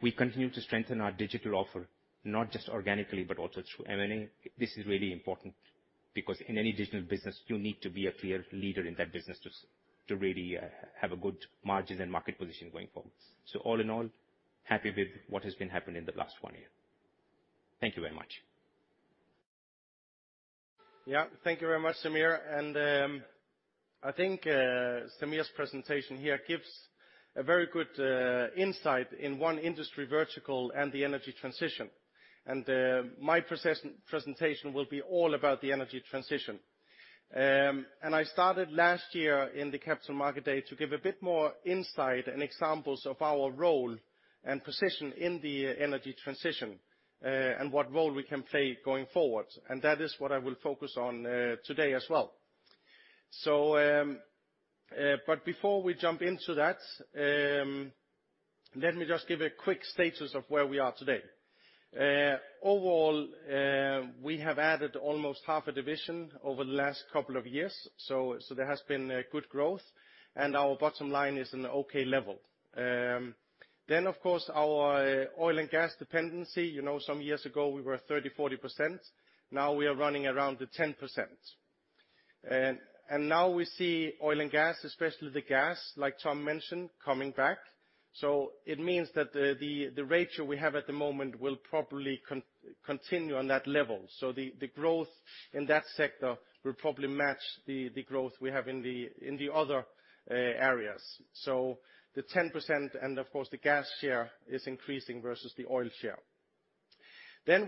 We continue to strengthen our digital offer, not just organically, but also through M&A. This is really important because in any digital business, you need to be a clear leader in that business to really have a good margins and market position going forward. All in all, happy with what has been happening in the last one year. Thank you very much. Yeah. Thank you very much, Sameer. I think Sameer's presentation here gives a very good insight in one industry vertical and the energy transition. My presentation will be all about the energy transition. I started last year in the Capital Market Day to give a bit more insight and examples of our role and position in the energy transition and what role we can play going forward. That is what I will focus on today as well. Before we jump into that, let me just give a quick status of where we are today. Overall, we have added almost half a division over the last couple of years, so there has been a good growth and our bottom line is in okay level. Of course, our oil and gas dependency, you know, some years ago we were 30%-40%. Now we are running around the 10%. Now we see oil and gas, especially the gas, like Tom mentioned, coming back. It means that the ratio we have at the moment will probably continue on that level. The growth in that sector will probably match the growth we have in the other areas. The 10% and of course the gas share is increasing versus the oil share.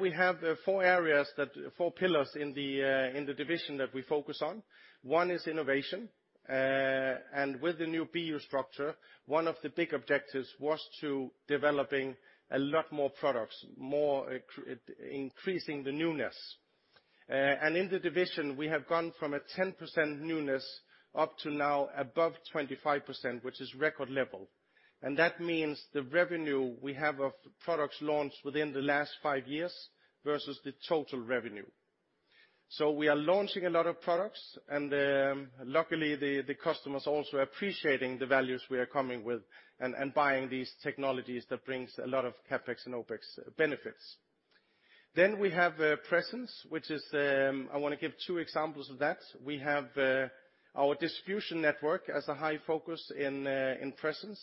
We have four areas that, four pillars in the division that we focus on. One is innovation. With the new BU structure, one of the big objectives was to developing a lot more products, more increasing the newness. In the division, we have gone from a 10% newness up to now above 25%, which is record level. That means the revenue we have of products launched within the last five years versus the total revenue. We are launching a lot of products, and luckily the customers also appreciating the values we are coming with and buying these technologies that brings a lot of CapEx and OpEx benefits. We have presence, which is, I wanna give two examples of that. We have our distribution network as a high focus in presence.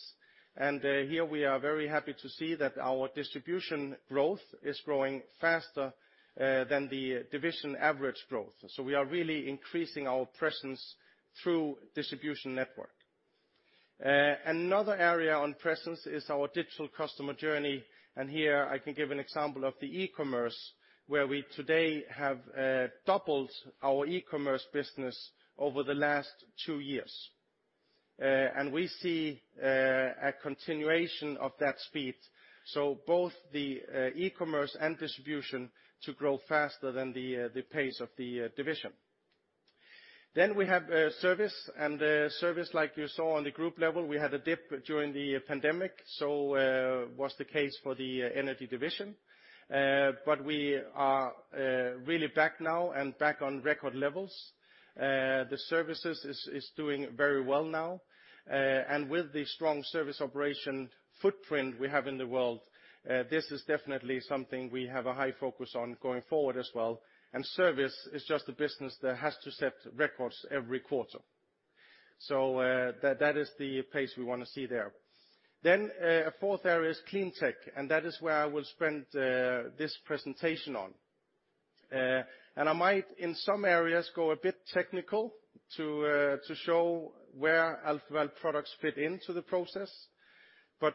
Here we are very happy to see that our distribution growth is growing faster than the division average growth. We are really increasing our presence through distribution network. Another area on presence is our digital customer journey. Here I can give an example of the e-commerce, where we today have doubled our e-commerce business over the last two years. We see a continuation of that speed. Both the e-commerce and distribution to grow faster than the pace of the division. We have service. Service, like you saw on the Group level, we had a dip during the pandemic, was the case for the Energy Division. We are really back now and back on record levels. The services is doing very well now. With the strong service operation footprint we have in the world, this is definitely something we have a high focus on going forward as well. Service is just a business that has to set records every quarter. That is the pace we wanna see there. A fourth area is clean tech, and that is where I will spend this presentation on. I might, in some areas, go a bit technical to show where Alfa Laval products fit into the process.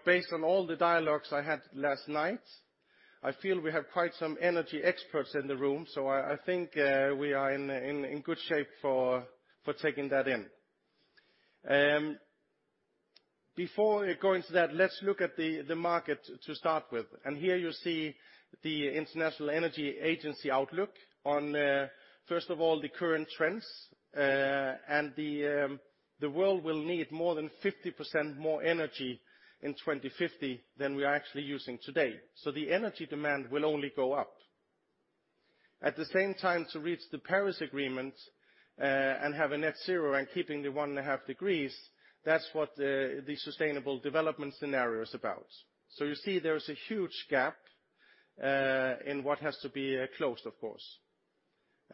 Based on all the dialogues I had last night, I feel we have quite some energy experts in the room, so I think we are in good shape for taking that in. Before going into that, let's look at the market to start with. Here you see the International Energy Agency outlook on, first of all, the current trends. The world will need more than 50% more energy in 2050 than we are actually using today. The energy demand will only go up. At the same time, to reach the Paris Agreement, and have a net zero and keeping the 1.5 degrees, that's what the sustainable development scenario is about. You see there is a huge gap in what has to be closed, of course.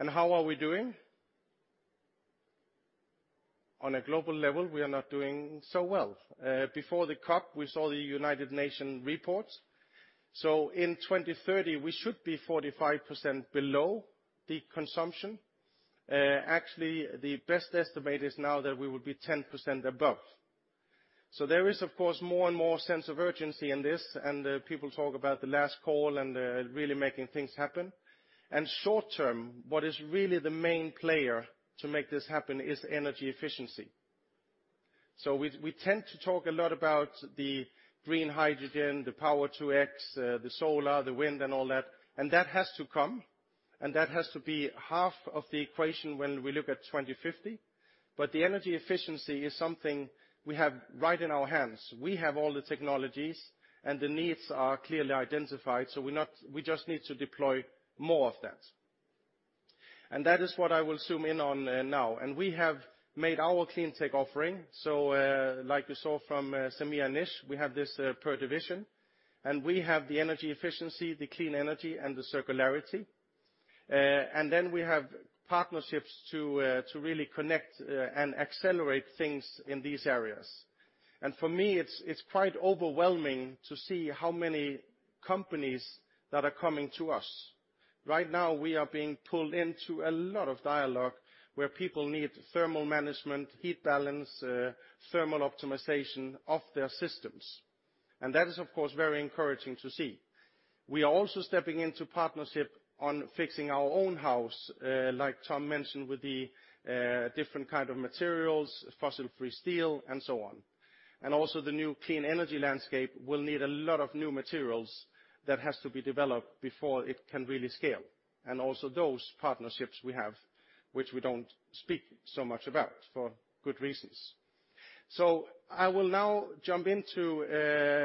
How are we doing? On a global level, we are not doing so well. Before the COP, we saw the United Nations report. In 2030, we should be 45% below the consumption. Actually, the best estimate is now that we will be 10% above. There is, of course, more and more sense of urgency in this, and people talk about the last call and really making things happen. Short-term, what is really the main player to make this happen is energy efficiency. We tend to talk a lot about the green hydrogen, the Power-to-X, the solar, the wind and all that, and that has to come, and that has to be half of the equation when we look at 2050. The energy efficiency is something we have right in our hands. We have all the technologies, and the needs are clearly identified, we just need to deploy more of that. That is what I will zoom in on now. We have made our clean tech offering. Like you saw from Sameer and Nish, we have this per division, and we have the energy efficiency, the clean energy, and the circularity. We have partnerships to really connect and accelerate things in these areas. For me, it's quite overwhelming to see how many companies that are coming to us. Right now, we are being pulled into a lot of dialogue where people need thermal management, heat balance, thermal optimization of their systems. That is, of course, very encouraging to see. We are also stepping into partnership on fixing our own house, like Tom mentioned, with the different kind of materials, fossil-free steel, and so on. The new clean energy landscape will need a lot of new materials that has to be developed before it can really scale. Also those partnerships we have, which we don't speak so much about for good reasons. I will now jump into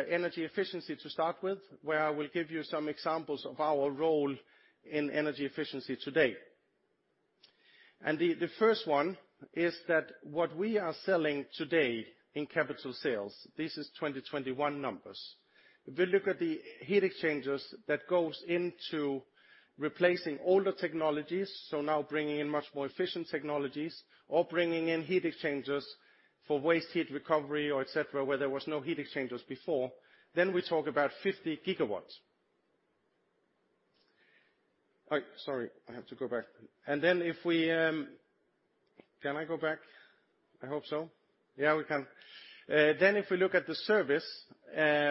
energy efficiency to start with, where I will give you some examples of our role in energy efficiency today. The first one is that what we are selling today in capital sales, this is 2021 numbers. If we look at the heat exchangers that goes into replacing older technologies, so now bringing in much more efficient technologies or bringing in heat exchangers for waste heat recovery or et cetera, where there was no heat exchangers before, then we talk about 50 GW. Oh, sorry, I have to go back. Can I go back? I hope so. Yeah, we can. If we look at the service,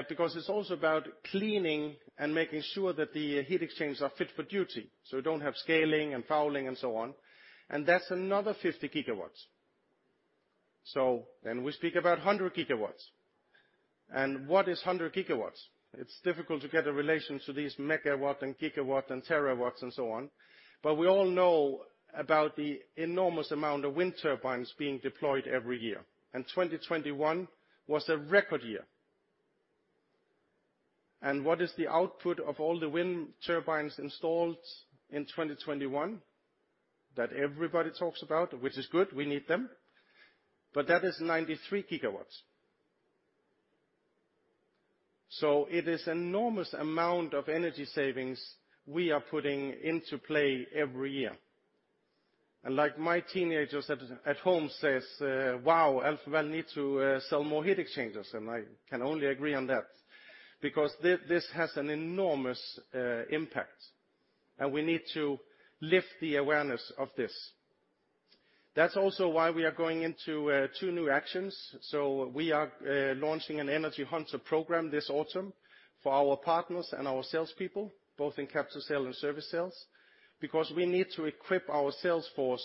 because it's also about cleaning and making sure that the heat exchangers are fit for duty, so we don't have scaling and fouling and so on, and that's another 50 GW. We speak about 100 GW. What is 100 GW? It's difficult to get a relation to these megawatt and gigawatt and terawatts and so on. We all know about the enormous amount of wind turbines being deployed every year, 2021 was a record year. What is the output of all the wind turbines installed in 2021 that everybody talks about, which is good, we need them, but that is 93 GW. It is enormous amount of energy savings we are putting into play every year. Like my teenagers at home says, "Wow, Alfa Laval need to sell more heat exchangers," and I can only agree on that because this has an enormous impact, and we need to lift the awareness of this. That's also why we are going into two new actions. We are launching an Energy Hunter program this autumn for our partners and our salespeople, both in capital sale and service sales, because we need to equip our sales force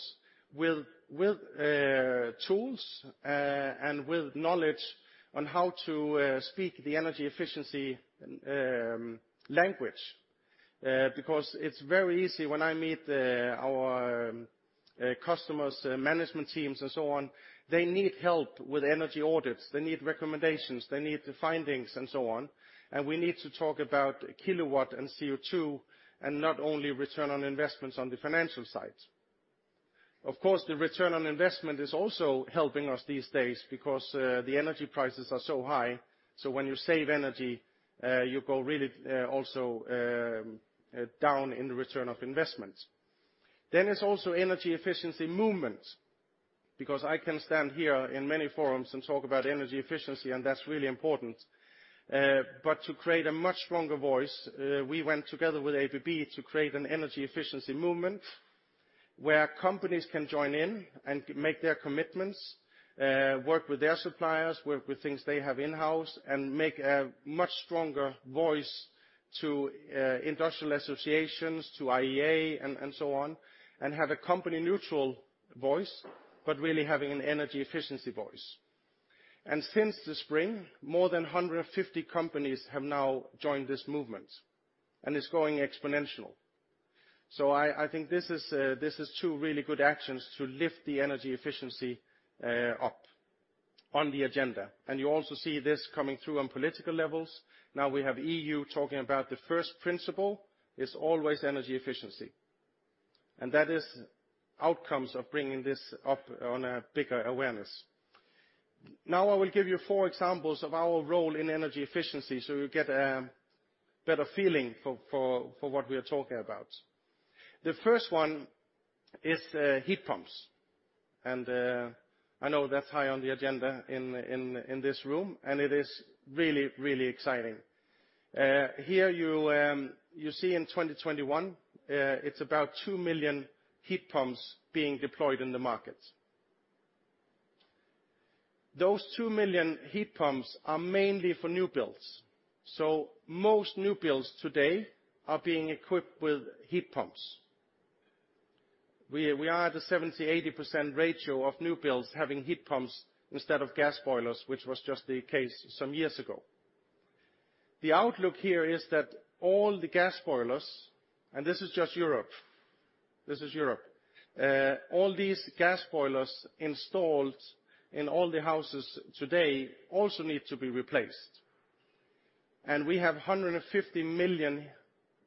with tools and with knowledge on how to speak the energy efficiency language. Because it's very easy when I meet our customers, management teams, and so on, they need help with energy audits. They need recommendations. They need the findings and so on. We need to talk about kilowatt and CO2, and not only return on investment on the financial side. Of course, the return on investment is also helping us these days because the energy prices are so high. When you save energy, you go really also down in return on investment. It's also Energy Efficiency Movement, because I can stand here in many forums and talk about energy efficiency, and that's really important. To create a much stronger voice, we went together with ABB to create an Energy Efficiency Movement where companies can join in and make their commitments, work with their suppliers, work with things they have in-house, and make a much stronger voice to industrial associations, to IEA, and so on, and have a company-neutral voice, but really having an energy efficiency voice. Since the spring, more than 150 companies have now joined this movement, and it's growing exponential. I think this is two really good actions to lift the energy efficiency up on the agenda. You also see this coming through on political levels. Now we have EU talking about the first principle is always energy efficiency. That is outcomes of bringing this up on a bigger awareness. Now I will give you four examples of our role in energy efficiency so you get a better feeling for what we are talking about. The first one is heat pumps. I know that's high on the agenda in this room, and it is really exciting. Here you see in 2021, it's about two million heat pumps being deployed in the market. Those two million heat pumps are mainly for new builds. Most new builds today are being equipped with heat pumps. We are at a 70%-80% ratio of new builds having heat pumps instead of gas boilers, which was just the case some years ago. The outlook here is that all the gas boilers, and this is just Europe, this is Europe, all these gas boilers installed in all the houses today also need to be replaced. We have 150 million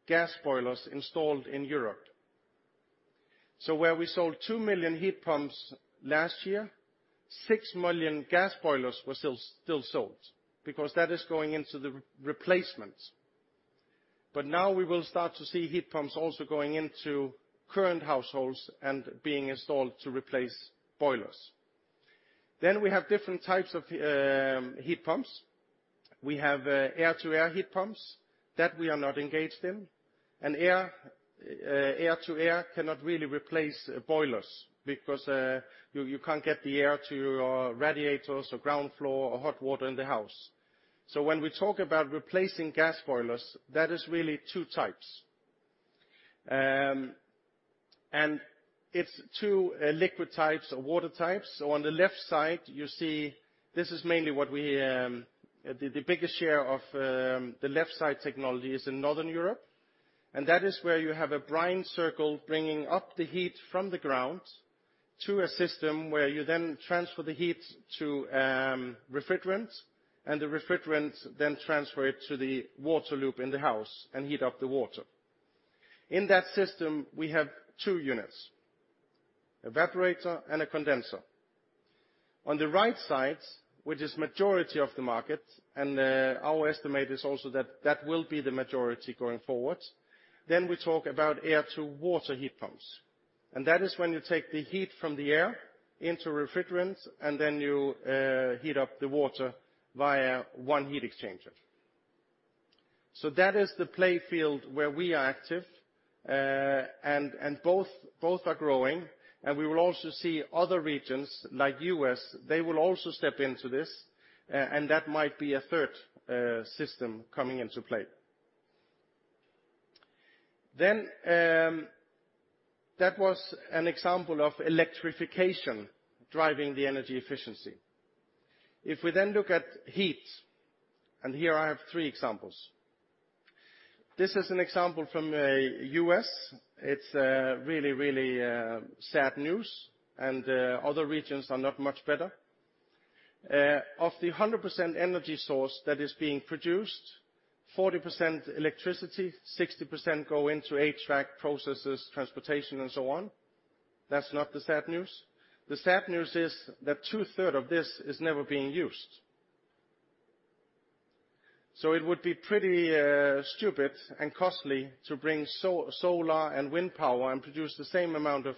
gas boilers installed in Europe. Where we sold two million heat pumps last year, six million gas boilers were still sold because that is going into the replacements. Now we will start to see heat pumps also going into current households and being installed to replace boilers. We have different types of heat pumps. We have air-to-air heat pumps that we are not engaged in. Air, air-to-air cannot really replace boilers because you can't get the air to your radiators or ground floor or hot water in the house. When we talk about replacing gas boilers, that is really two types. It's two liquid types or water types. On the left side, you see this is mainly what we, the biggest share of the left side technology is in Northern Europe. That is where you have a brine circle bringing up the heat from the ground to a system where you then transfer the heat to refrigerant, and the refrigerant then transfer it to the water loop in the house and heat up the water. In that system, we have two units, evaporator and a condenser. On the right side, which is majority of the market, our estimate is also that that will be the majority going forward, then we talk about air-to-water heat pumps. That is when you take the heat from the air into refrigerant, and then you heat up the water via one heat exchanger. That is the playfield where we are active. Both are growing. We will also see other regions like U.S., they will also step into this, and that might be a third system coming into play. That was an example of electrification driving the energy efficiency. If we then look at heat, and here I have three examples. This is an example from U.S. It's really sad news, and other regions are not much better. Of the 100% energy source that is being produced, 40% electricity, 60% go into HVAC processes, transportation, and so on. That's not the sad news. The sad news is that two third of this is never being used. It would be pretty stupid and costly to bring solar and wind power and produce the same amount of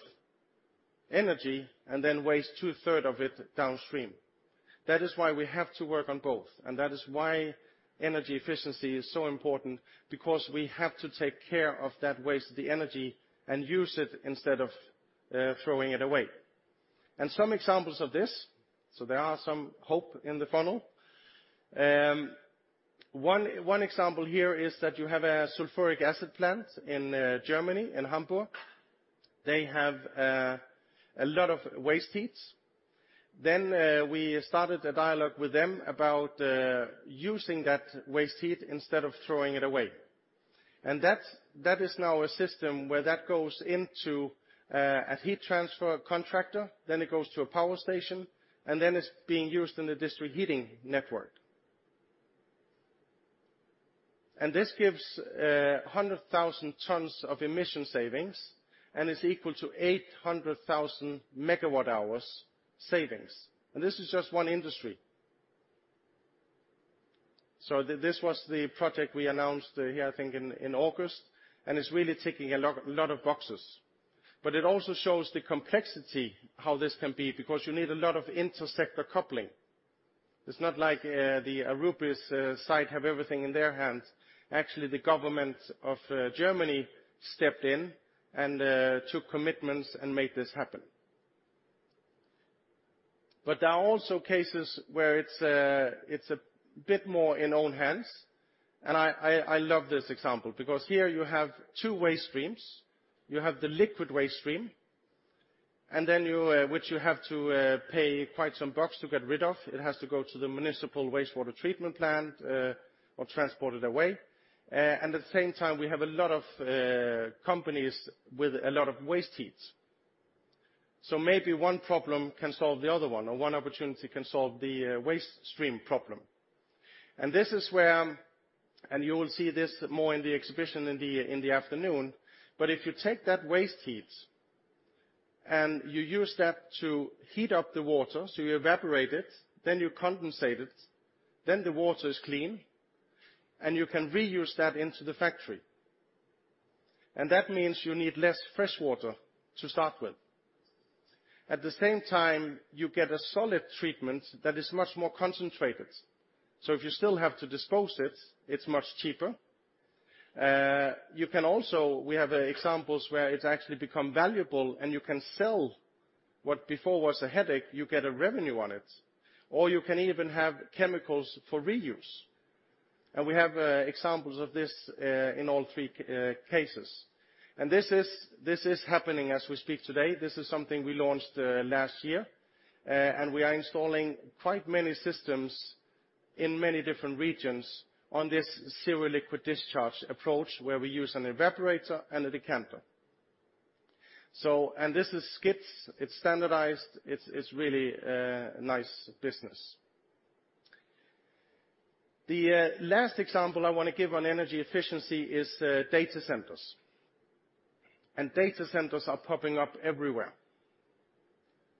energy and then waste two third of it downstream. That is why we have to work on both. That is why energy efficiency is so important because we have to take care of that wasted energy and use it instead of throwing it away. Some examples of this, so there are some hope in the funnel. One example here is that you have a sulfuric acid plant in Germany, in Hamburg. They have a lot of waste heat. Then we started a dialogue with them about using that waste heat instead of throwing it away. That is now a system where that goes into a heat transfer contractor, then it goes to a power station, and then it's being used in the district heating network. This gives 100,000 tons of emission savings, and it's equal to 800,000 MWh savings. This is just one industry. This was the project we announced here, I think, in August, and it's really ticking a lot of boxes. It also shows the complexity how this can be because you need a lot of inter-sector coupling. It's not like the Aurubis site have everything in their hands. Actually, the government of Germany stepped in and took commitments and made this happen. There are also cases where it's a bit more in own hands. I love this example because here you have two waste streams. You have the liquid waste stream, and then you, which you have to pay quite some bucks to get rid of. It has to go to the municipal wastewater treatment plant or transported away. At the same time, we have a lot of companies with a lot of waste heat. Maybe one problem can solve the other one, or one opportunity can solve the waste stream problem. This is where, and you will see this more in the exhibition in the afternoon, but if you take that waste heat, and you use that to heat up the water, so you evaporate it, then you condensate it, then the water is clean, and you can reuse that into the factory. That means you need less fresh water to start with. At the same time, you get a solid treatment that is much more concentrated. If you still have to dispose it's much cheaper. You can also, we have examples where it's actually become valuable and you can sell what before was a headache, you get a revenue on it. You can even have chemicals for reuse. We have examples of this in all three cases. This is happening as we speak today. This is something we launched last year. We are installing quite many systems in many different regions on this zero liquid discharge approach where we use an evaporator and a decanter. This is skids, it's standardized, it's really a nice business. The last example I wanna give on energy efficiency is data centers. Data centers are popping up everywhere.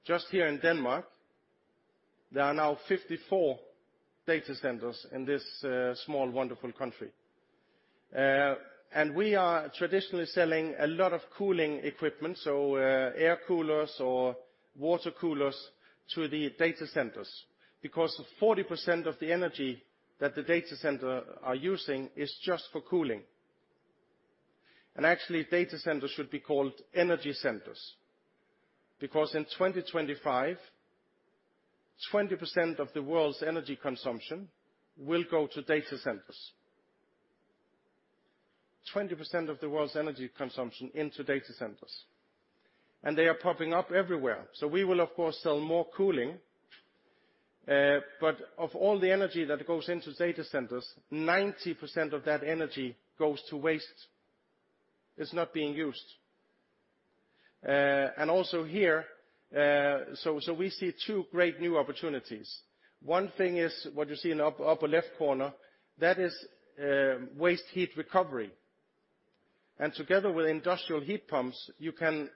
Just here in Denmark, there are now 54 data centers in this small, wonderful country. We are traditionally selling a lot of cooling equipment, so air coolers or water coolers to the data centers because 40% of the energy that the data center are using is just for cooling. Actually, data centers should be called energy centers because in 2025, 20% of the world's energy consumption will go to data centers. 20% of the world's energy consumption into data centers. They are popping up everywhere. We will, of course, sell more cooling. Of all the energy that goes into data centers, 90% of that energy goes to waste. It's not being used. Also here, so we see two great new opportunities. One thing is what you see in the upper left corner, that is waste heat recovery. Together with industrial heat pumps, you can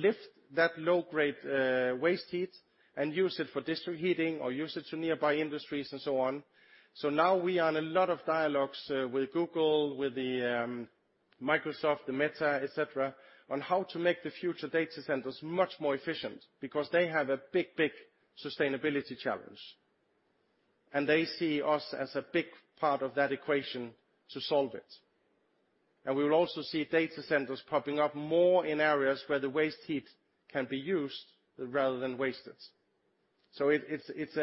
lift that low-grade waste heat and use it for district heating or use it to nearby industries and so on. Now we are in a lot of dialogues with Google, with Microsoft, Meta, et cetera, on how to make the future data centers much more efficient because they have a big sustainability challenge. They see us as a big part of that equation to solve it. We will also see data centers popping up more in areas where the waste heat can be used rather than wasted. It's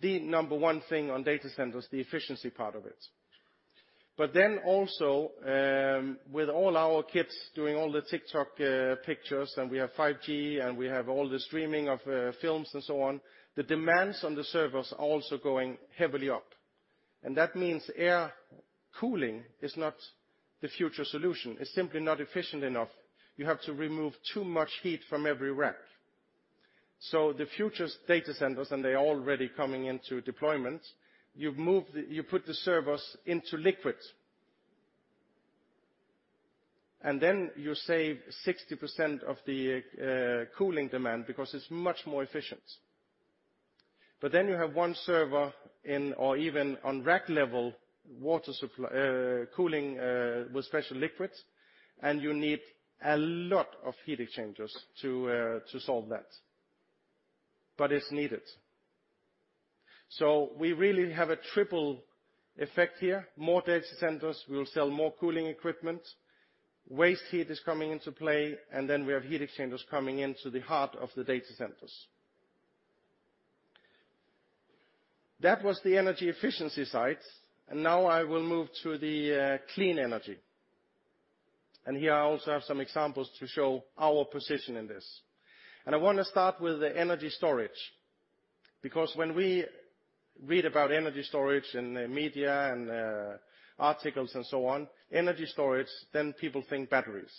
the number one thing on data centers, the efficiency part of it. Also, with all our kids doing all the TikTok pictures, and we have 5G, and we have all the streaming of films and so on, the demands on the servers are also going heavily up. That means air cooling is not the future solution. It's simply not efficient enough. You have to remove too much heat from every rack. The future data centers, and they are already coming into deployment, you put the servers into liquid. Then you save 60% of the cooling demand because it's much more efficient. You have one server in or even on rack level water supply, cooling with special liquids, and you need a lot of heat exchangers to solve that. It's needed. We really have a triple effect here. More data centers, we will sell more cooling equipment. Waste heat is coming into play, and then we have heat exchangers coming into the heart of the data centers. That was the energy efficiency side. Now I will move to the clean energy. Here I also have some examples to show our position in this. I wanna start with the energy storage because when we read about energy storage in the media and articles and so on, energy storage, then people think batteries.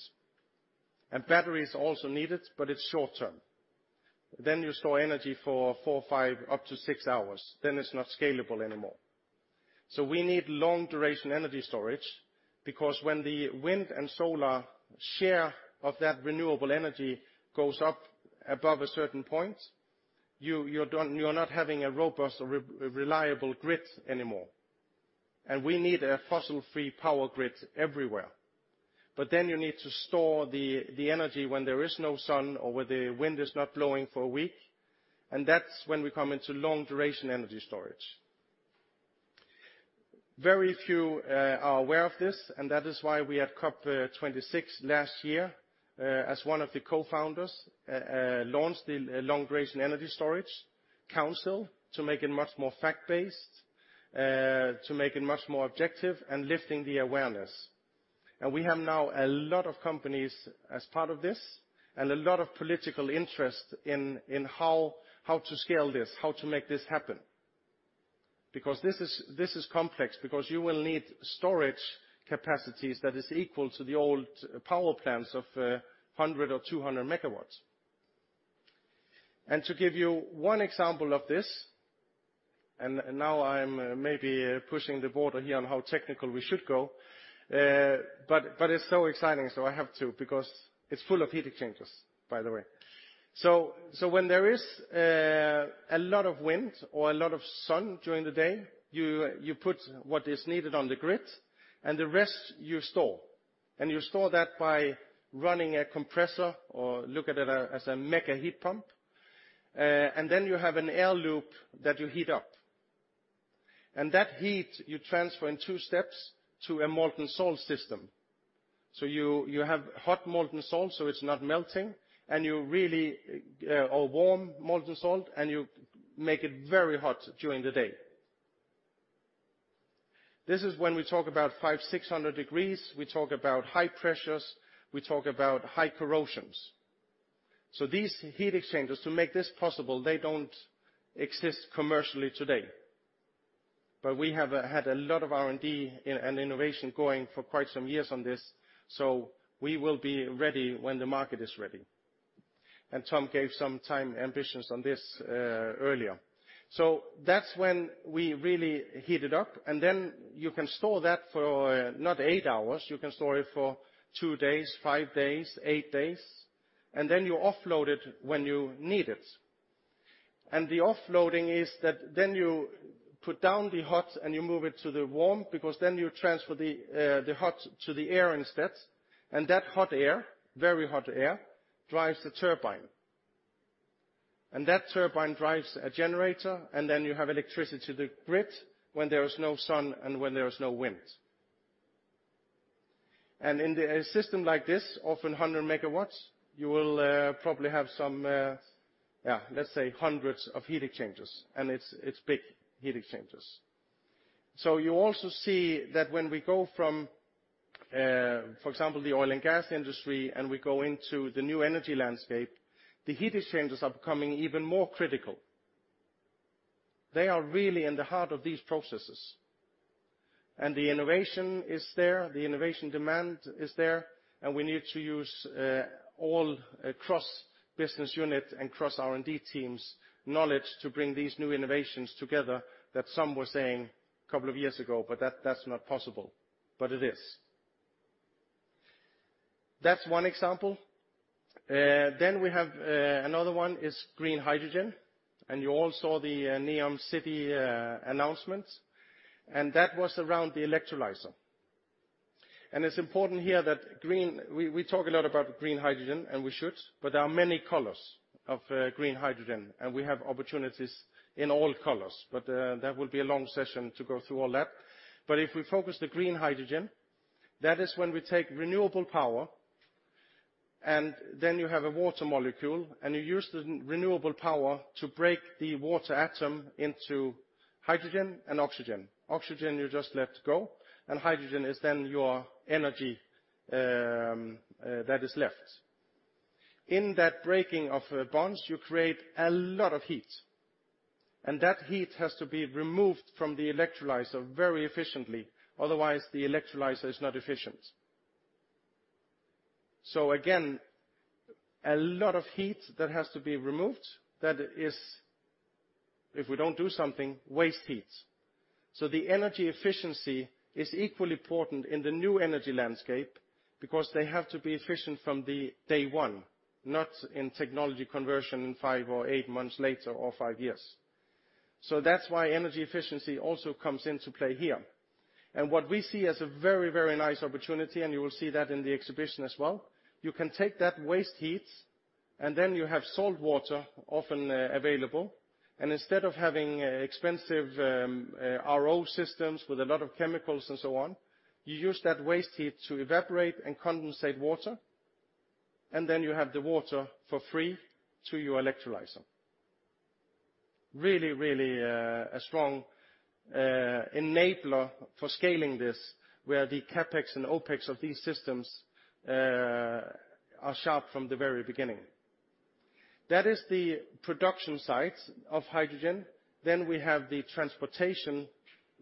Batteries are also needed, but it's short-term. You store energy for four, five, up to six hours, then it's not scalable anymore. We need long-duration energy storage because when the wind and solar share of that renewable energy goes up above a certain point, you're not having a robust or re-reliable grid anymore. We need a fossil-free power grid everywhere. You need to store the energy when there is no sun or when the wind is not blowing for a week, and that's when we come into long-duration energy storage. Very few are aware of this, that is why we at COP26 last year, as one of the co-founders, launched the Long-Duration Energy Storage Council to make it much more fact-based, to make it much more objective, and lifting the awareness. We have now a lot of companies as part of this and a lot of political interest in how to scale this, how to make this happen. This is complex because you will need storage capacities that is equal to the old power plants of 100 MW or 200 MW. To give you one example of this, and now I'm maybe pushing the border here on how technical we should go, but it's so exciting, so I have to because it's full of heat exchangers, by the way. When there is a lot of wind or a lot of sun during the day, you put what is needed on the grid, and the rest you store. You store that by running a compressor or look at it as a mega heat pump. You have an air loop that you heat up. That heat you transfer in two steps to a molten salt system. You have hot molten salt, so it's not melting, or warm molten salt, and you make it very hot during the day. This is when we talk about 5, 600 degrees. We talk about high pressures, we talk about high corrosions. These heat exchangers, to make this possible, they don't exist commercially today. We have had a lot of R&D and innovation going for quite some years on this, so we will be ready when the market is ready. Tom gave some time ambitions on this earlier. That's when we really heat it up, then you can store that for not eight hours. You can store it for two days, five days, eight days. Then you offload it when you need it. The offloading is that then you put down the hot and you move it to the warm because then you transfer the hot to the air instead. That hot air, very hot air, drives the turbine. That turbine drives a generator, and then you have electricity to the grid when there is no sun and when there is no wind. In a system like this, often 100 MW, you will probably have some, yeah, let's say hundreds of heat exchangers, and it's big heat exchangers. You also see that when we go from, for example, the oil and gas industry, and we go into the new energy landscape, the heat exchangers are becoming even more critical. They are really in the heart of these processes. The innovation is there, the innovation demand is there, and we need to use all across business unit and across R&D teams' knowledge to bring these new innovations together that some were saying a couple of years ago, but that's not possible. It is. That's one example. We have another one is green hydrogen. You all saw the Neom city announcement, and that was around the electrolyzer. It's important here that we talk a lot about green hydrogen, and we should, but there are many colors of green hydrogen, and we have opportunities in all colors. That would be a long session to go through all that. If we focus the green hydrogen, that is when we take renewable power, and then you have a water molecule, and you use the renewable power to break the water atom into hydrogen and oxygen. Oxygen you just let go, and hydrogen is then your energy that is left. In that breaking of bonds, you create a lot of heat, and that heat has to be removed from the electrolyzer very efficiently. Otherwise, the electrolyzer is not efficient. Again, a lot of heat that has to be removed that is, if we don't do something, waste heat. The energy efficiency is equally important in the new energy landscape because they have to be efficient from the day one, not in technology conversion five or eight months later or five years. That's why energy efficiency also comes into play here. What we see as a very, very nice opportunity, and you will see that in the exhibition as well, you can take that waste heat, and then you have salt water often available. Instead of having expensive RO systems with a lot of chemicals and so on, you use that waste heat to evaporate and condensate water. You have the water for free to your electrolyzer. Really, really, a strong enabler for scaling this, where the CapEx and OpEx of these systems are sharp from the very beginning. That is the production site of hydrogen. We have the transportation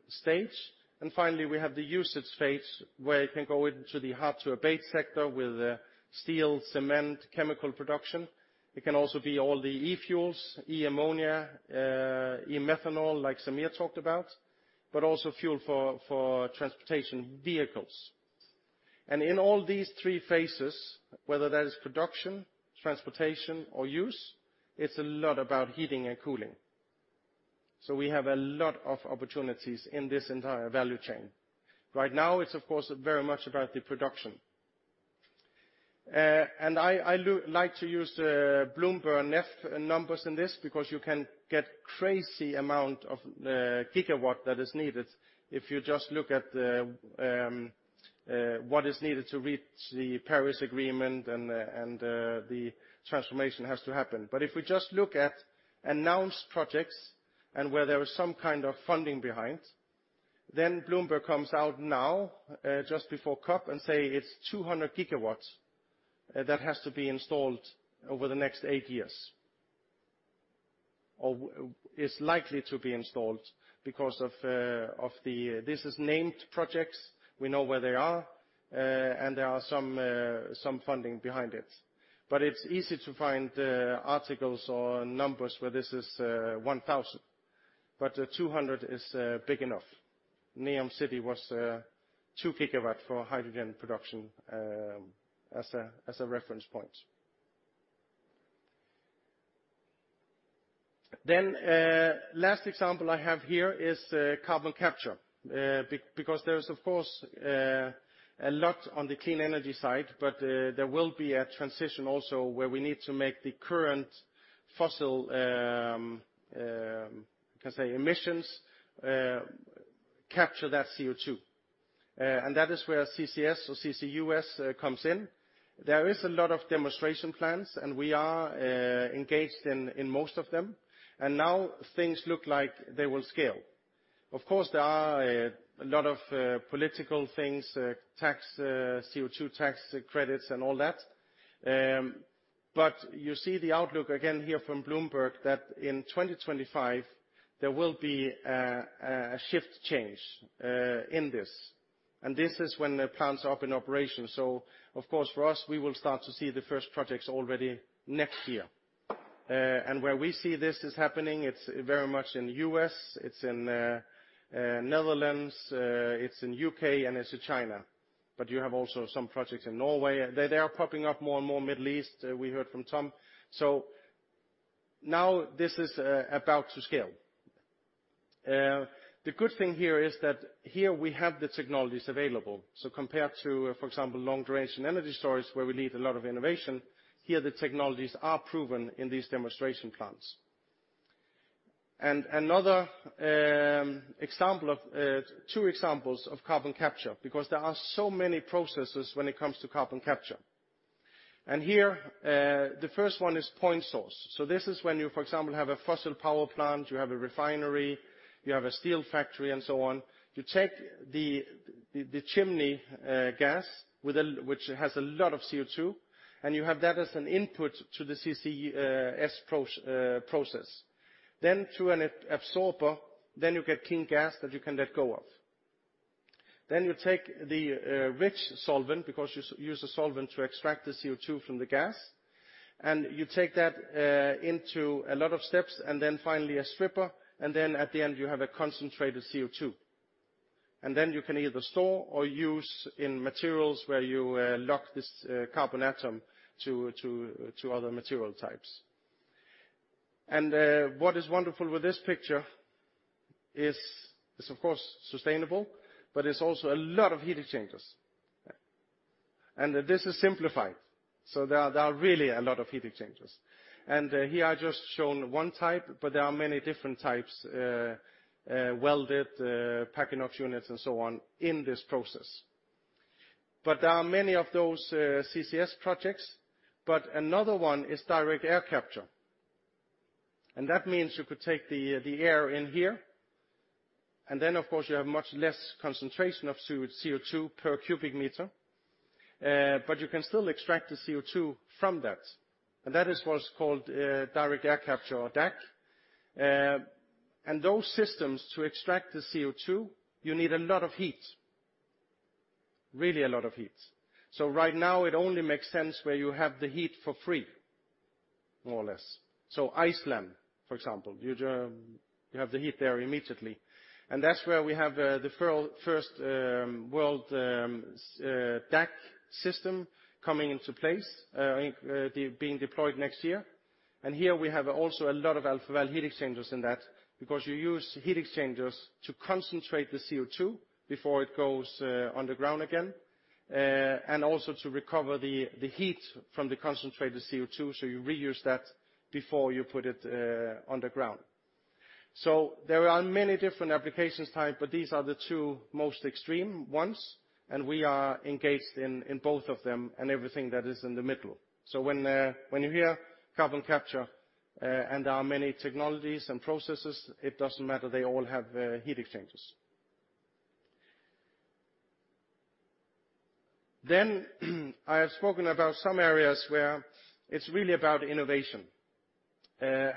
stage, and finally, we have the usage phase, where it can go into the hard-to-abate sector with steel, cement, chemical production. It can also be all the e-fuels, e-ammonia, e-methanol, like Sameer talked about, but also fuel for transportation vehicles. In all these three phases, whether that is production, transportation, or use, it's a lot about heating and cooling. We have a lot of opportunities in this entire value chain. Right now it's of course, very much about the production. I do like to use BloombergNEF numbers in this because you can get crazy amount of gigawatt that is needed if you just look at what is needed to reach the Paris Agreement and the transformation has to happen. If we just look at announced projects and where there is some kind of funding behind, then Bloomberg comes out now, just before COP, and say it's 200 GW that has to be installed over the next eight years or is likely to be installed because of. This is named projects, we know where they are, and there are some funding behind it. It's easy to find articles or numbers where this is 1,000, but 200 is big enough. Neom City was 2 GW for hydrogen production as a reference point. Last example I have here is carbon capture. Because there is, of course, a lot on the clean energy side, there will be a transition also where we need to make the current fossil can say emissions capture that CO2. That is where CCS or CCUS comes in. There is a lot of demonstration plans, we are engaged in most of them. Now things look like they will scale. Of course, there are a lot of political things, tax, CO2 tax credits and all that. You see the outlook again here from Bloomberg that in 2025 there will be a shift change in this, and this is when the plants are up in operation. Of course, for us, we will start to see the first projects already next year. Where we see this is happening, it's very much in the U.S., it's in Netherlands, it's in U.K., and it's in China. You have also some projects in Norway. They are popping up more and more Middle East, we heard from Tom. Now this is about to scale. The good thing here is that here we have the technologies available. Compared to, for example, long-duration energy storage, where we need a lot of innovation, here the technologies are proven in these demonstration plants. Another example of two examples of carbon capture, because there are so many processes when it comes to carbon capture. Here, the first one is point source. This is when you, for example, have a fossil power plant, you have a refinery, you have a steel factory, and so on. You take the chimney gas which has a lot of CO2, and you have that as an input to the CCS process. Through an absorber, then you get clean gas that you can let go of. You take the rich solvent, because you use a solvent to extract the CO2 from the gas, and you take that into a lot of steps, and then finally a stripper, and at the end you have a concentrated CO2. You can either store or use in materials where you lock this carbon atom to other material types. What is wonderful with this picture is it's of course sustainable, but it's also a lot of heat exchangers. This is simplified, so there are really a lot of heat exchangers. Here I just shown one type, but there are many different types, welded, packing of units and so on in this process. There are many of those CCS projects, but another one is direct air capture. That means you could take the air in here and then, of course, you have much less concentration of CO2 per cubic meter, but you can still extract the CO2 from that. That is what's called direct air capture or DAC. Those systems to extract the CO2, you need a lot of heat. Really a lot of heat. Right now it only makes sense where you have the heat for free, more or less. Iceland, for example, you just, you have the heat there immediately. That's where we have the first world DAC system coming into place, in being deployed next year. Here we have also a lot of Alfa Laval heat exchangers in that because you use heat exchangers to concentrate the CO2 before it goes underground again, and also to recover the heat from the concentrated CO2, so you reuse that before you put it underground. There are many different applications type, but these are the two most extreme ones, and we are engaged in both of them and everything that is in the middle. When you hear carbon capture, and there are many technologies and processes, it doesn't matter, they all have heat exchangers. I have spoken about some areas where it's really about innovation.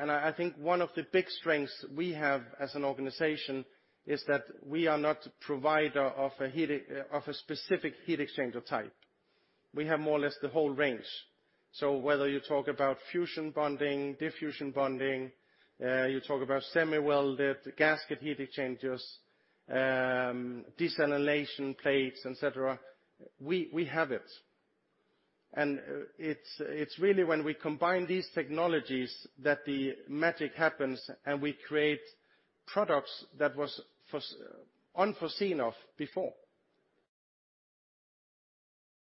And I think one of the big strengths we have as an organization is that we are not provider of a specific heat exchanger type. We have more or less the whole range. Whether you talk about fusion bonding, diffusion bonding, you talk about semi-welded gasket heat exchangers, desalination plates, et cetera, we have it. It's really when we combine these technologies that the magic happens and we create products that was unforeseen of before.